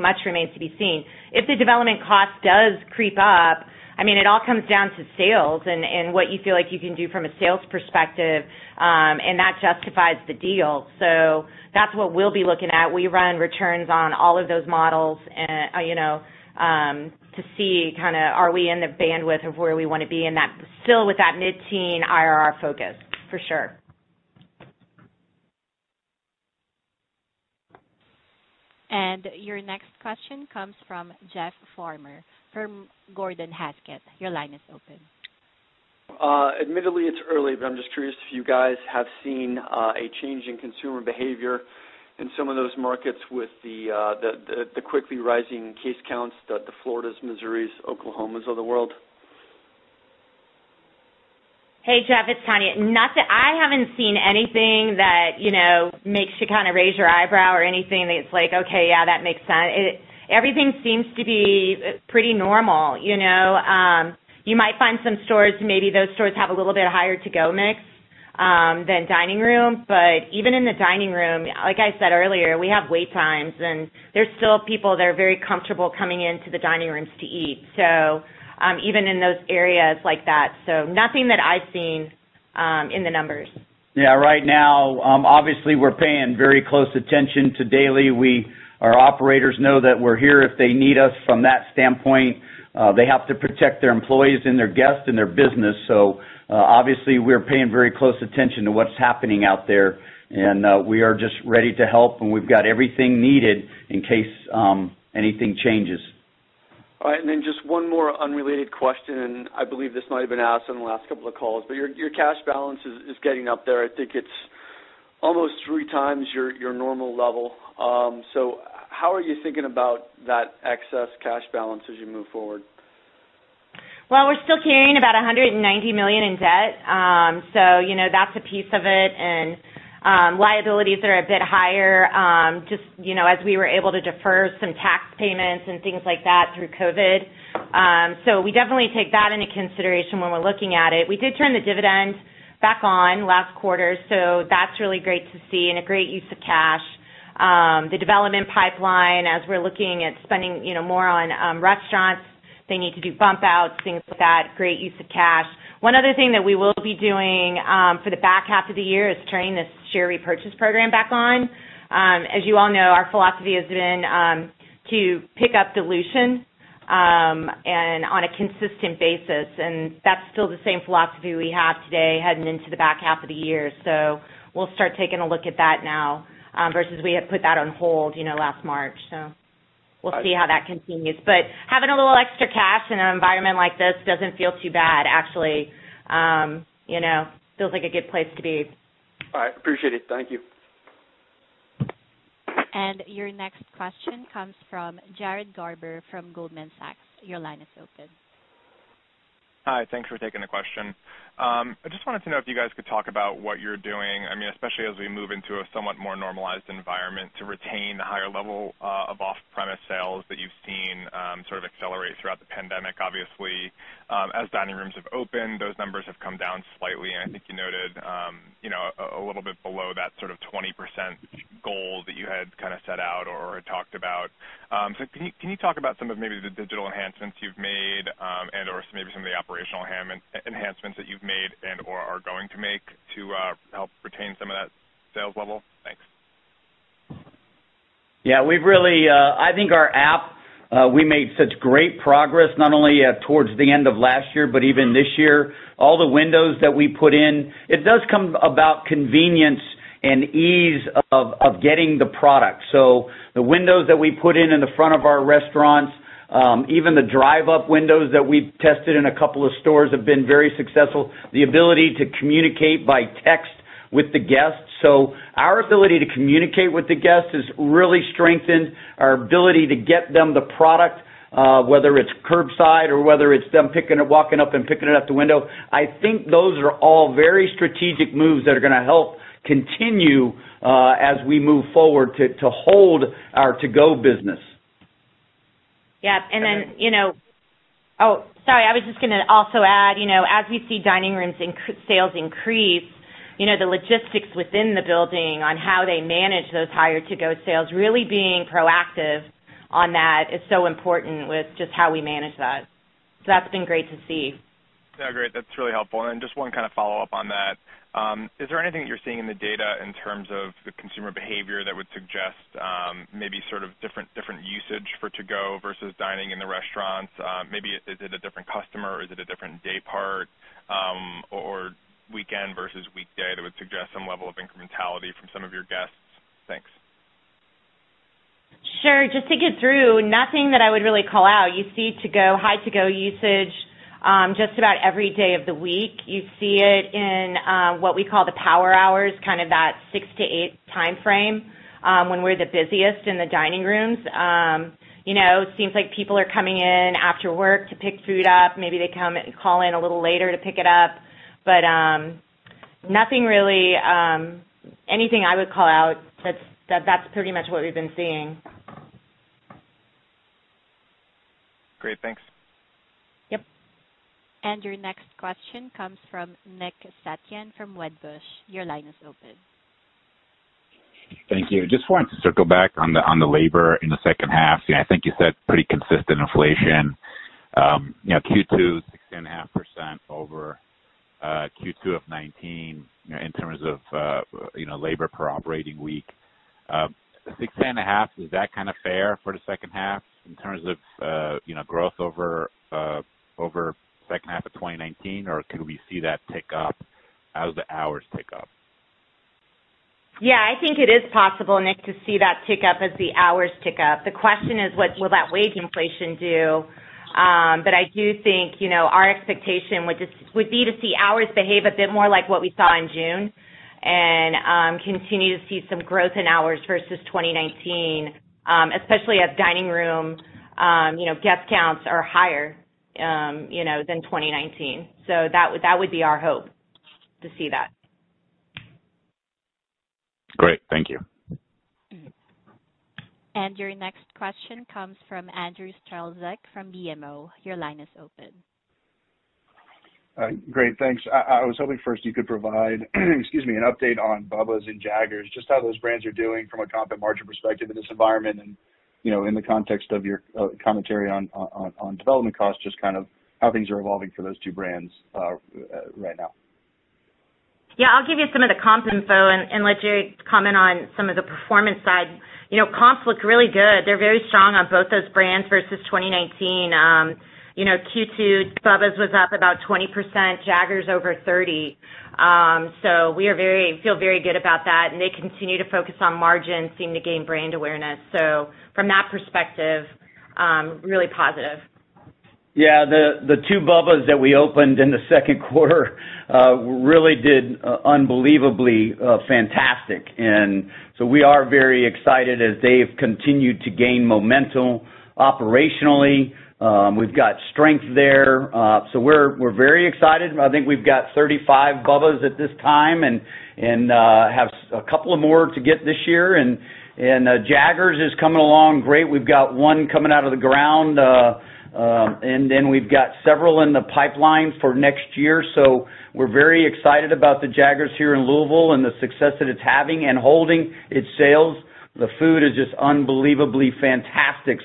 Much remains to be seen. If the development cost does creep up, it all comes down to sales and what you feel like you can do from a sales perspective, and that justifies the deal. That's what we'll be looking at. We run returns on all of those models to see are we in the bandwidth of where we want to be and still with that mid-teen IRR focus, for sure. Your next question comes from Jeff Farmer from Gordon Haskett. Your line is open. Admittedly, it's early. I'm just curious if you guys have seen a change in consumer behavior in some of those markets with the quickly rising case counts, the Floridas, Missouris, Oklahomas of the world. Hey, Jeff, it's Tonya. I haven't seen anything that makes you raise your eyebrow or anything that's like, "Okay, yeah, that makes sense." Everything seems to be pretty normal. You might find some stores, maybe those stores have a little bit higher to-go mix than dining room. Even in the dining room, like I said earlier, we have wait times, and there's still people that are very comfortable coming into the dining rooms to eat. Even in those areas like that. Nothing that I've seen in the numbers. Right now, obviously we're paying very close attention to daily. Our operators know that we're here if they need us from that standpoint. They have to protect their employees and their guests and their business. Obviously we're paying very close attention to what's happening out there, and we are just ready to help, and we've got everything needed in case anything changes. All right, then just one more unrelated question, and I believe this might've been asked on the last couple of calls, but your cash balance is getting up there. I think it's almost three times your normal level. How are you thinking about that excess cash balance as you move forward? Well, we're still carrying about $190 million in debt. That's a piece of it, and liabilities are a bit higher, just as we were able to defer some tax payments and things like that through COVID. We definitely take that into consideration when we're looking at it. We did turn the dividend back on last quarter, so that's really great to see and a great use of cash. The development pipeline, as we're looking at spending more on restaurants, they need to do bump-outs, things like that, great use of cash. One other thing that we will be doing for the back half of the year is turning this share repurchase program back on. As you all know, our philosophy has been to pick up dilution and on a consistent basis, and that's still the same philosophy we have today heading into the back half of the year. We'll start taking a look at that now, versus we had put that on hold last March. We'll see how that continues. Having a little extra cash in an environment like this doesn't feel too bad, actually. Feels like a good place to be. All right. Appreciate it. Thank you. Your next question comes from Jared Garber from Goldman Sachs. Your line is open. Hi. Thanks for taking the question. I just wanted to know if you guys could talk about what you're doing, especially as we move into a somewhat more normalized environment to retain the higher level of off-premise sales that you've seen sort of accelerate throughout the pandemic, obviously. As dining rooms have opened, those numbers have come down slightly, and I think you noted a little bit below that sort of 20% goal that you had set out or had talked about. Can you talk about some of maybe the digital enhancements you've made, and/or maybe some of the operational enhancements that you've made and/or are going to make to help retain some of that sales level? Thanks. I think our app, we made such great progress, not only towards the end of last year, but even this year. All the windows that we put in. It does come about convenience and ease of getting the product. The windows that we put in in the front of our restaurants, even the drive-up windows that we've tested in a couple of stores have been very successful. The ability to communicate by text with the guests. Our ability to communicate with the guests has really strengthened our ability to get them the product, whether it's curbside or whether it's them walking up and picking it up the window. I think those are all very strategic moves that are going to help continue as we move forward, to hold our to-go business. Yeah. Oh, sorry. I was just going to also add, as we see dining rooms sales increase, the logistics within the building on how they manage those higher to-go sales, really being proactive on that is so important with just how we manage that. That's been great to see. Yeah, great. That's really helpful. Just one follow-up on that. Is there anything that you're seeing in the data in terms of the consumer behavior that would suggest maybe sort of different usage for to-go versus dining in the restaurants? Maybe is it a different customer, or is it a different day part, or weekend versus weekday that would suggest some level of incrementality from some of your guests? Thanks. Sure. Just to get through, nothing that I would really call out. You see high to-go usage just about every day of the week. You see it in what we call the power hour hours kind of that 6:00 to 8:00 timeframe, when we're the busiest in the dining rooms. It seems like people are coming in after work to pick food up. Maybe they come and call in a little later to pick it up. Nothing really, anything I would call out, that's pretty much what we've been seeing. Great. Thanks. Yep. Your next question comes from Nick Setyan from Wedbush. Your line is open. Thank you. Just wanted to circle back on the labor in the second half. I think you said pretty consistent inflation. Q2, 6.5% over Q2 of 2019, in terms of labor per operating week. 6.5%, is that kind of fair for the second half in terms of growth over second half of 2019 or could we see that pick up as the hours pick up? Yeah, I think it is possible, Nick, to see that pick up as the hours pick up. The question is what will that wage inflation do? I do think our expectation would be to see hours behave a bit more like what we saw in June and continue to see some growth in hours versus 2019, especially as dining room guest counts are higher than 2019. That would be our hope to see that. Great. Thank you. Your next question comes from Andrew Strelzik from BMO. Your line is open. Great. Thanks. I was hoping first you could provide excuse me, an update on Bubba's and Jaggers, just how those brands are doing from a comp and margin perspective in this environment and in the context of your commentary on development costs, just how things are evolving for those two brands right now? Yeah, I'll give you some of the comp info and let Jerry comment on some of the performance side. Comps look really good. They're very strong on both those brands versus 2019. Q2, Bubba's was up about 20%, Jaggers over 30%. We feel very good about that, and they continue to focus on margin, seem to gain brand awareness. From that perspective, really positive. Yeah, the two Bubba's that we opened in the second quarter really did unbelievably fantastic. We are very excited as they've continued to gain momentum operationally. We've got strength there. We're very excited. I think we've got 35 Bubba's at this time and have a couple of more to get this year. Jaggers is coming along great. We've got one coming out of the ground. We've got several in the pipeline for next year. We're very excited about the Jaggers here in Louisville and the success that it's having and holding its sales. The food is just unbelievably fantastic.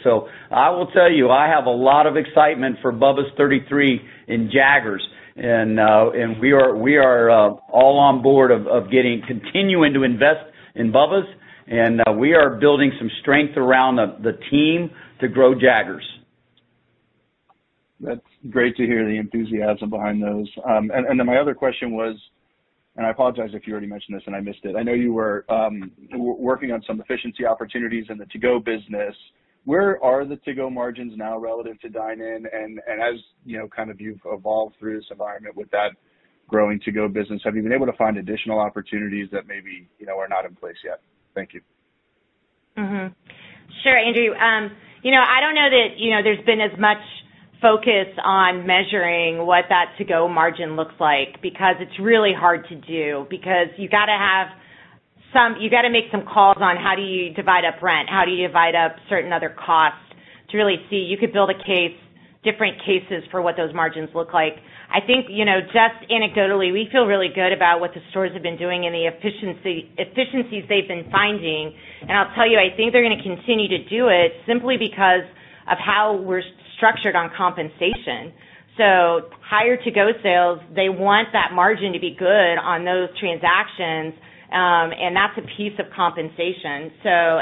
I will tell you, I have a lot of excitement for Bubba's 33 and Jaggers. We are all on board of continuing to invest in Bubba's. We are building some strength around the team to grow Jaggers. That's great to hear the enthusiasm behind those. My other question was, and I apologize if you already mentioned this and I missed it. I know you were working on some efficiency opportunities in the to-go business. Where are the to-go margins now relative to dine-in? As you've evolved through this environment with that growing to-go business, have you been able to find additional opportunities that maybe were not in place yet? Thank you. Sure, Andrew. I don't know that there's been as much focus on measuring what that to-go margin looks like because it's really hard to do because you got to make some calls on how do you divide up rent, how do you divide up certain other costs to really see. You could build different cases for what those margins look like. I think, just anecdotally, we feel really good about what the stores have been doing and the efficiencies they've been finding. I'll tell you, I think they're going to continue to do it simply because of how we're structured on compensation. Higher to-go sales, they want that margin to be good on those transactions, and that's a piece of compensation.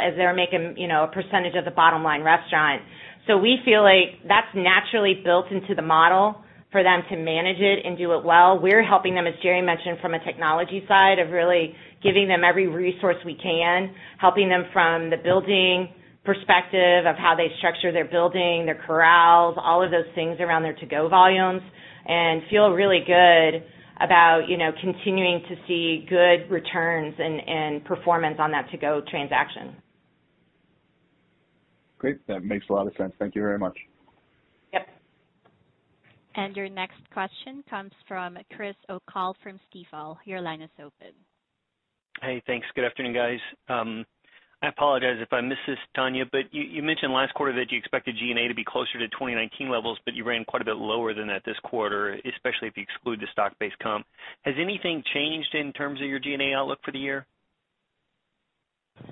As they're making a percentage of the bottom line restaurant. We feel like that's naturally built into the model for them to manage it and do it well. We're helping them, as Jerry mentioned, from a technology side of really giving them every resource we can, helping them from the building perspective of how they structure their building, their corrals, all of those things around their to-go volumes, and feel really good about continuing to see good returns and performance on that to-go transaction. Great. That makes a lot of sense. Thank you very much. Yep. Your next question comes from Chris O'Cull from Stifel. Your line is open. Hey, thanks. Good afternoon, guys. I apologize if I miss this, Tonya, but you mentioned last quarter that you expected G&A to be closer to 2019 levels, but you ran quite a bit lower than that this quarter, especially if you exclude the stock-based comp. Has anything changed in terms of your G&A outlook for the year? No,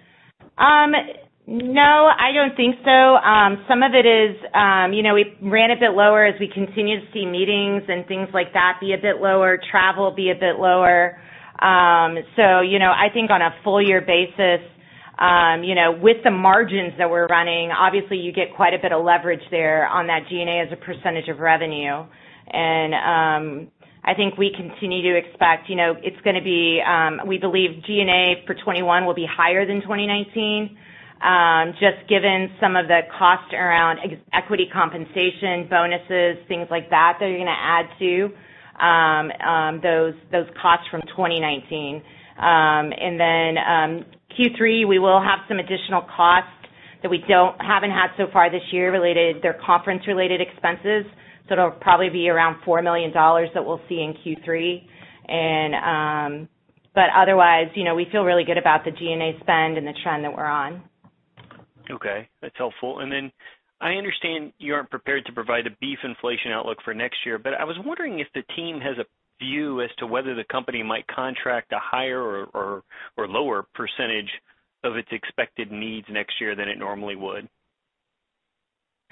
I don't think so. Some of it is, we ran a bit lower as we continue to see meetings and things like that be a bit lower, travel be a bit lower. I think on a full year basis, with the margins that we're running, obviously you get quite a bit of leverage there on that G&A as a percentage of revenue. I think we continue to expect, we believe G&A for 2021 will be higher than 2019. Just given some of the cost around equity compensation, bonuses, things like that are going to add to those costs from 2019. Q3, we will have some additional costs that we haven't had so far this year. They're conference-related expenses, so it'll probably be around $4 million that we'll see in Q3. Otherwise, we feel really good about the G&A spend and the trend that we're on. Okay. That's helpful. I understand you aren't prepared to provide a beef inflation outlook for next year, but I was wondering if the team has a view as to whether the company might contract a higher or lower percentage of its expected needs next year than it normally would.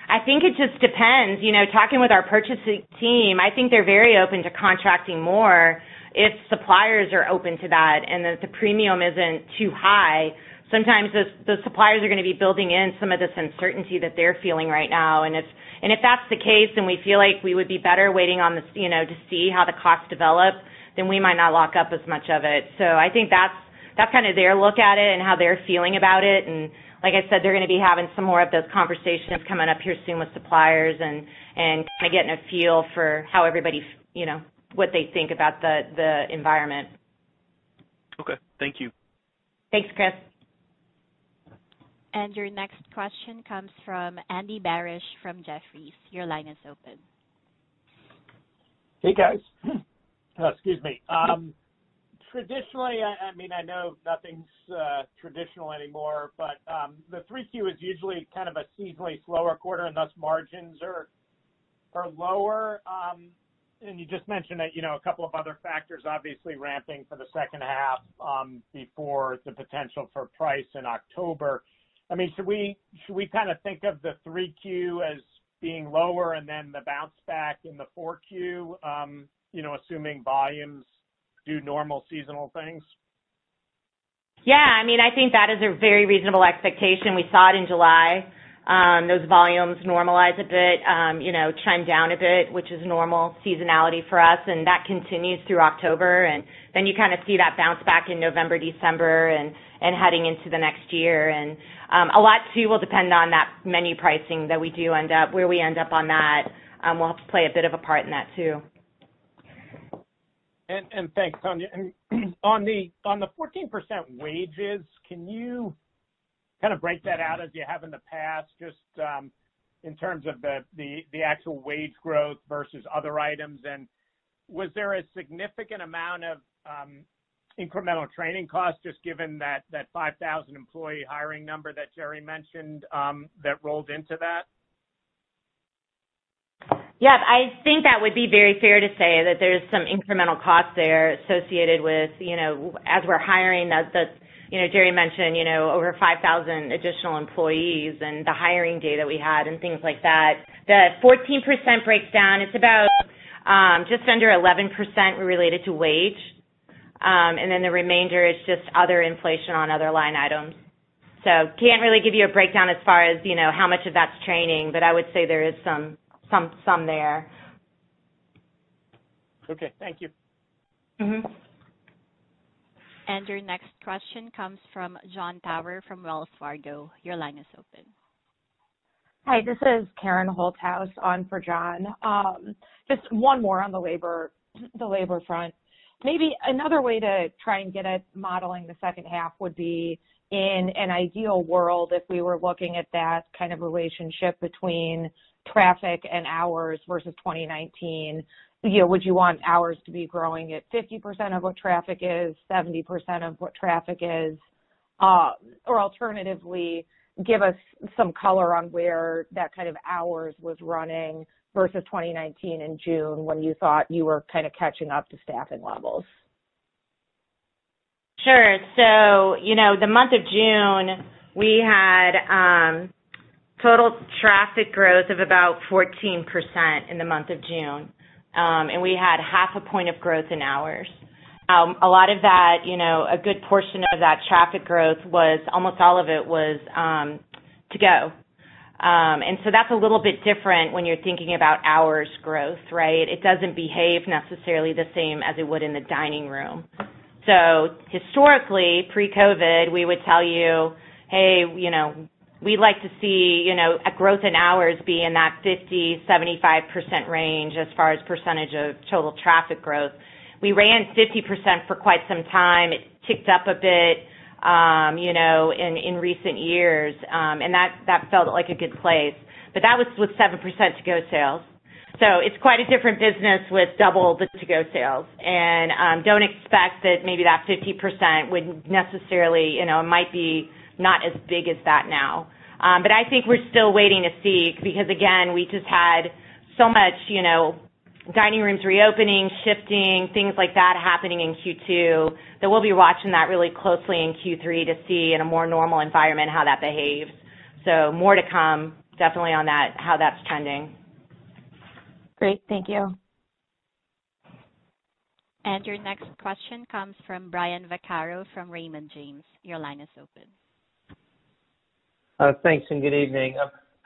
I think it just depends. Talking with our purchasing team, I think they're very open to contracting more if suppliers are open to that and if the premium isn't too high. Sometimes those suppliers are going to be building in some of this uncertainty that they're feeling right now. If that's the case and we feel like we would be better waiting to see how the costs develop, then we might not lock up as much of it. I think that's their look at it and how they're feeling about it. Like I said, they're going to be having some more of those conversations coming up here soon with suppliers and kind of getting a feel for what they think about the environment. Okay. Thank you. Thanks, Chris. Your next question comes from Andy Barish from Jefferies. Your line is open. Hey, guys. Excuse me. Traditionally, I know nothing's traditional anymore, but the 3Q is usually a seasonally slower quarter, and thus margins are lower. You just mentioned that a couple of other factors, obviously ramping for the second half before the potential for price in October. Should we think of the 3Q as being lower and then the bounce back in the 4Q, assuming volumes do normal seasonal things? Yeah, I think that is a very reasonable expectation. We saw it in July. Those volumes normalize a bit, chime down a bit, which is normal seasonality for us. That continues through October. Then you kind of see that bounce back in November, December, and heading into the next year. A lot too will depend on that menu pricing where we end up on that. We'll have to play a bit of a part in that too. Thanks, Tonya. On the 14% wages, can you break that out as you have in the past, just in terms of the actual wage growth versus other items? Was there a significant amount of incremental training costs just given that 5,000 employee hiring number that Jerry mentioned that rolled into that? Yes, I think that would be very fair to say that there's some incremental cost there associated with as we're hiring. As Jerry mentioned, over 5,000 additional employees and the hiring data we had and things like that. The 14% breakdown, it's about just under 11% related to wage. The remainder is just other inflation on other line items. Can't really give you a breakdown as far as how much of that's training, but I would say there is some there. Okay. Thank you. Your next question comes from Jon Tower from Wells Fargo. Your line is open. Hi, this is Karen Holthouse on for John. Just one more on the labor front. Maybe another way to try and get at modeling the second half would be in an ideal world, if we were looking at that kind of relationship between traffic and hours versus 2019. Would you want hours to be growing at 50% of what traffic is, 70% of what traffic is? Alternatively, give us some color on where that kind of hours was running versus 2019 in June when you thought you were catching up to staffing levels. Sure. The month of June, we had total traffic growth of about 14% in the month of June. We had half a point of growth in hours. A good portion of that traffic growth, almost all of it was to go. That's a little bit different when you're thinking about hours growth, right? It doesn't behave necessarily the same as it would in the dining room. Historically, pre-COVID, we would tell you, "Hey, we'd like to see a growth in hours be in that 50%-75% range as far as percentage of total traffic growth." We ran 50% for quite some time. It ticked up a bit in recent years. That felt like a good place. That was with 7% to-go sales. It's quite a different business with double the to-go sales. Don't expect that maybe that 50% would necessarily, might be not as big as that now. I think we're still waiting to see because, again, we just had so much dining rooms reopening, shifting, things like that happening in Q2, that we'll be watching that really closely in Q3 to see in a more normal environment how that behaves. More to come definitely on how that's trending. Great. Thank you. Your next question comes from Brian Vaccaro from Raymond James. Your line is open. Thanks, and good evening.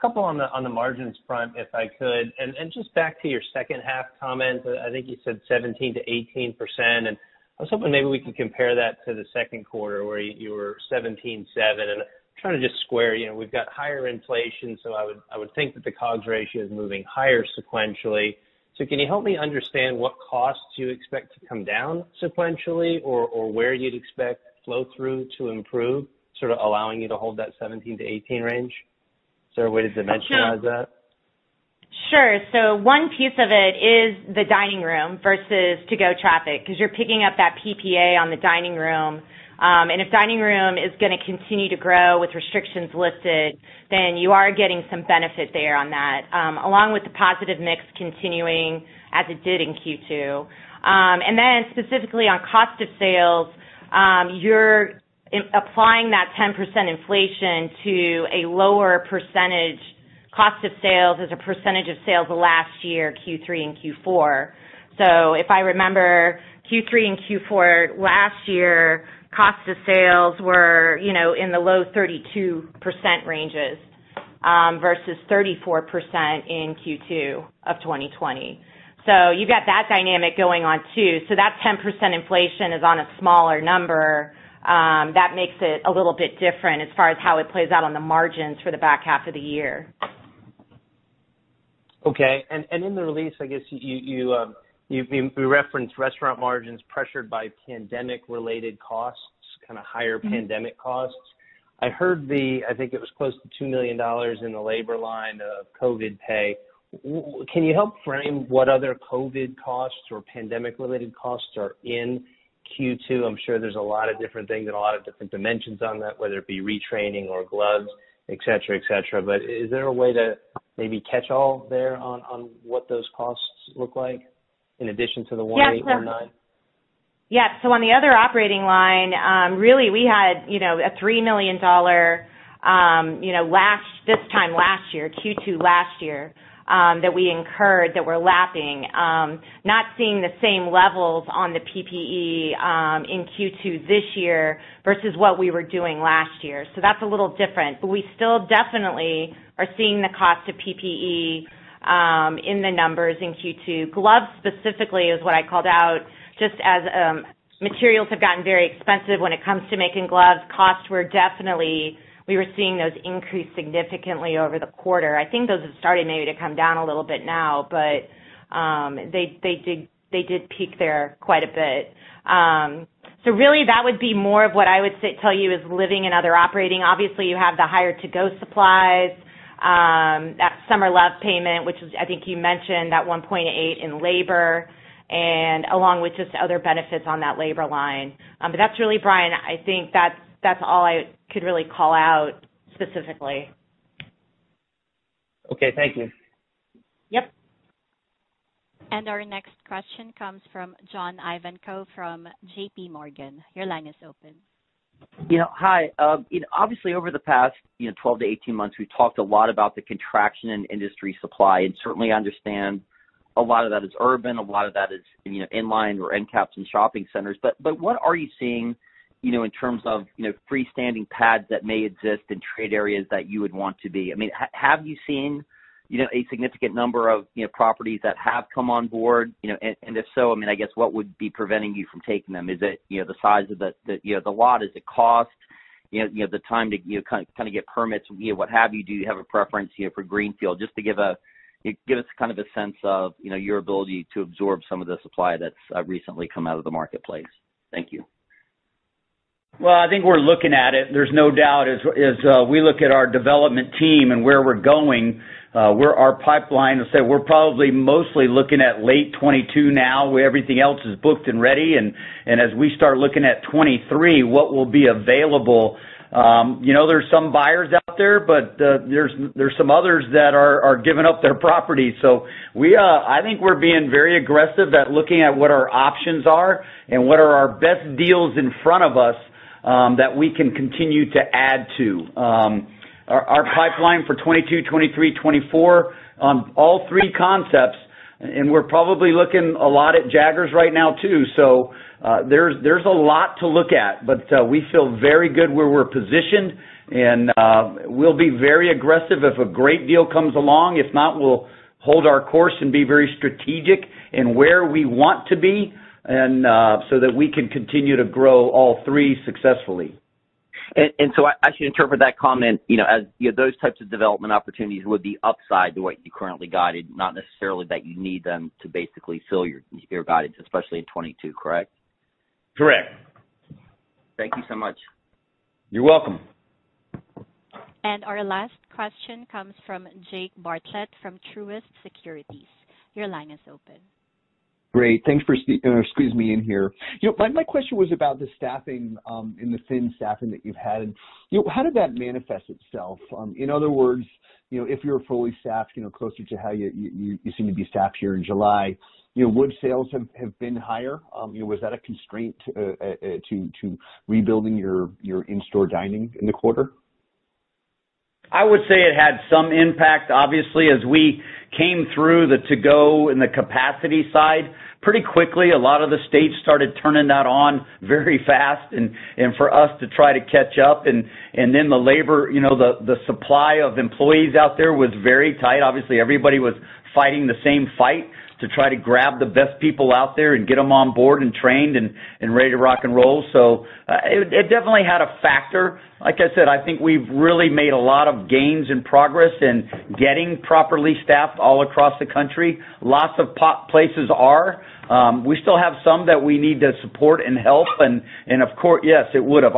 A couple on the margins front, if I could. Just back to your second half comments, I think you said 17%-18%, and I was hoping maybe we could compare that to the second quarter where you were 17.7%. Trying to just square, we've got higher inflation, so I would think that the COGS ratio is moving higher sequentially. Can you help me understand what costs you expect to come down sequentially or where you'd expect flow-through to improve, allowing you to hold that 17%-18% range? Is there a way to dimensionalize that? Sure. One piece of it is the dining room versus to-go traffic, because you're picking up that PPA on the dining room. If dining room is going to continue to grow with restrictions lifted, then you are getting some benefit there on that, along with the positive mix continuing as it did in Q2. Specifically on cost of sales, you're applying that 10% inflation to a lower percentage. Cost of sales as a percentage of sales last year, Q3 and Q4. If I remember, Q3 and Q4 last year, cost of sales were in the low 32% ranges, versus 34% in Q2 of 2020. You've got that dynamic going on too. That 10% inflation is on a smaller number. That makes it a little bit different as far as how it plays out on the margins for the back half of the year. Okay. In the release, I guess you referenced restaurant margins pressured by pandemic-related costs, kind of higher pandemic costs. I think it was close to $2 million in the labor line of COVID pay. Can you help frame what other COVID costs or pandemic-related costs are in Q2? I am sure there is a lot of different things and a lot of different dimensions on that, whether it be retraining or gloves, et cetera. Is there a way to maybe catch all there on what those costs look like in addition to the 1.8 or nine? On the other operating line, really we had a $3 million this time last year, Q2 last year, that we incurred that we're lapping. Not seeing the same levels on the PPE in Q2 this year versus what we were doing last year. We still definitely are seeing the cost of PPE in the numbers in Q2. Gloves specifically is what I called out, just as materials have gotten very expensive when it comes to making gloves. Costs were definitely, we were seeing those increase significantly over the quarter. I think those have started maybe to come down a little bit now, they did peak there quite a bit. Really that would be more of what I would tell you is living in other operating. Obviously, you have the higher to-go supplies, that summer love payment, which is, I think you mentioned that $1.8 in labor and along with just other benefits on that labor line. That's really, Brian, I think that's all I could really call out specifically. Okay. Thank you. Yep. Our next question comes from John Ivankoe from JPMorgan. Your line is open. Hi. Obviously over the past 12-18 months, we've talked a lot about the contraction in industry supply and certainly understand a lot of that is urban, a lot of that is inline or end caps in shopping centers. What are you seeing in terms of freestanding pads that may exist in trade areas that you would want to be? Have you seen a significant number of properties that have come on board? If so, I guess what would be preventing you from taking them? Is it the size of the lot? Is it cost? The time to get permits, what have you? Do you have a preference here for Greenfield? Just to give us a sense of your ability to absorb some of the supply that's recently come out of the marketplace. Thank you. Well, I think we're looking at it. There's no doubt as we look at our development team and where we're going, where our pipeline, we'll say we're probably mostly looking at late 2022 now, where everything else is booked and ready. As we start looking at 2023, what will be available. There's some buyers out there's some others that are giving up their property. I think we're being very aggressive at looking at what our options are and what are our best deals in front of us that we can continue to add to. Our pipeline for 2022, 2023, 2024, all three concepts, and we're probably looking a lot at Jaggers right now too. There's a lot to look at, but we feel very good where we're positioned and we'll be very aggressive if a great deal comes along. If not, we'll hold our course and be very strategic in where we want to be so that we can continue to grow all three successfully. I should interpret that comment as those types of development opportunities would be upside to what you currently guided, not necessarily that you need them to basically fill your guidance, especially in 2022, correct? Correct. Thank you so much. You're welcome. Our last question comes from Jake Bartlett from Truist Securities. Your line is open. Great. Thanks for squeezing me in here. My question was about the staffing, in the thin staffing that you've had. How did that manifest itself? In other words, if you're fully staffed closer to how you seem to be staffed here in July, would sales have been higher? Was that a constraint to rebuilding your in-store dining in the quarter? I would say it had some impact, obviously, as we came through the to-go and the capacity side. Pretty quickly, a lot of the states started turning that on very fast, and for us to try to catch up, and then the labor, the supply of employees out there was very tight. Obviously, everybody was fighting the same fight to try to grab the best people out there and get them on board and trained and ready to rock and roll. It definitely had a factor. Like I said, I think we've really made a lot of gains and progress in getting properly staffed all across the country. Lots of places are. We still have some that we need to support and help, and of course, yes, it would have.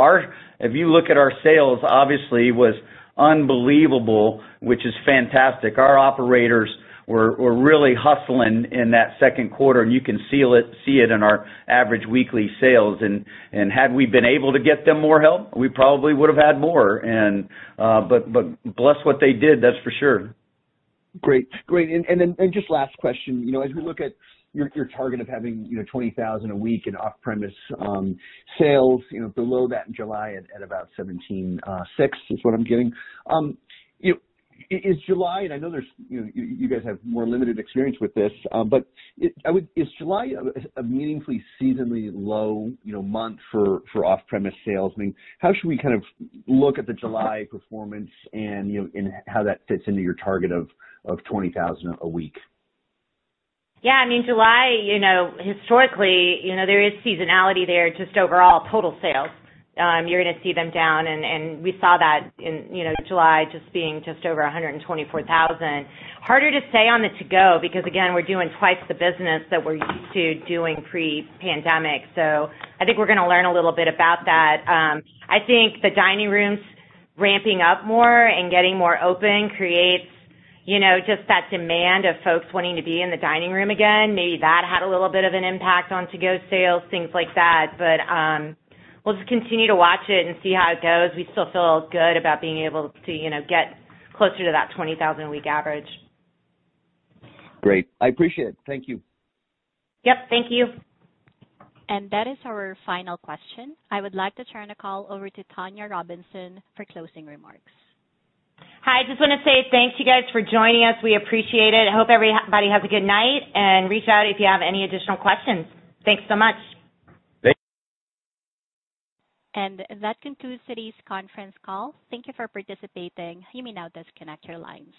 If you look at our sales, obviously, was unbelievable, which is fantastic. Our operators were really hustling in that second quarter, and you can see it in our average weekly sales. Had we been able to get them more help, we probably would have had more. Bless what they did, that's for sure. Great. Just last question. As we look at your target of having $20,000 a week in off-premise sales, below that in July at about $17.6 is what I'm getting. Is July, and I know you guys have more limited experience with this, but is July a meaningfully seasonally low month for off-premise sales? I mean, how should we look at the July performance and how that fits into your target of $20,000 a week? I mean, July, historically, there is seasonality there, just overall total sales. You're going to see them down, we saw that in July just being just over $124,000. Harder to say on the to-go because, again, we're doing twice the business that we're used to doing pre-pandemic. I think we're going to learn a little bit about that. I think the dining rooms ramping up more and getting more open creates just that demand of folks wanting to be in the dining room again. Maybe that had a little bit of an impact on to-go sales, things like that. We'll just continue to watch it and see how it goes. We still feel good about being able to get closer to that $20,000 a week average. Great. I appreciate it. Thank you. Yep. Thank you. That is our final question. I would like to turn the call over to Tonya Robinson for closing remarks. Hi, I just want to say thanks you guys for joining us. We appreciate it. I hope everybody has a good night. Reach out if you have any additional questions. Thanks so much. Thank you. That concludes today's conference call. Thank you for participating. You may now disconnect your lines.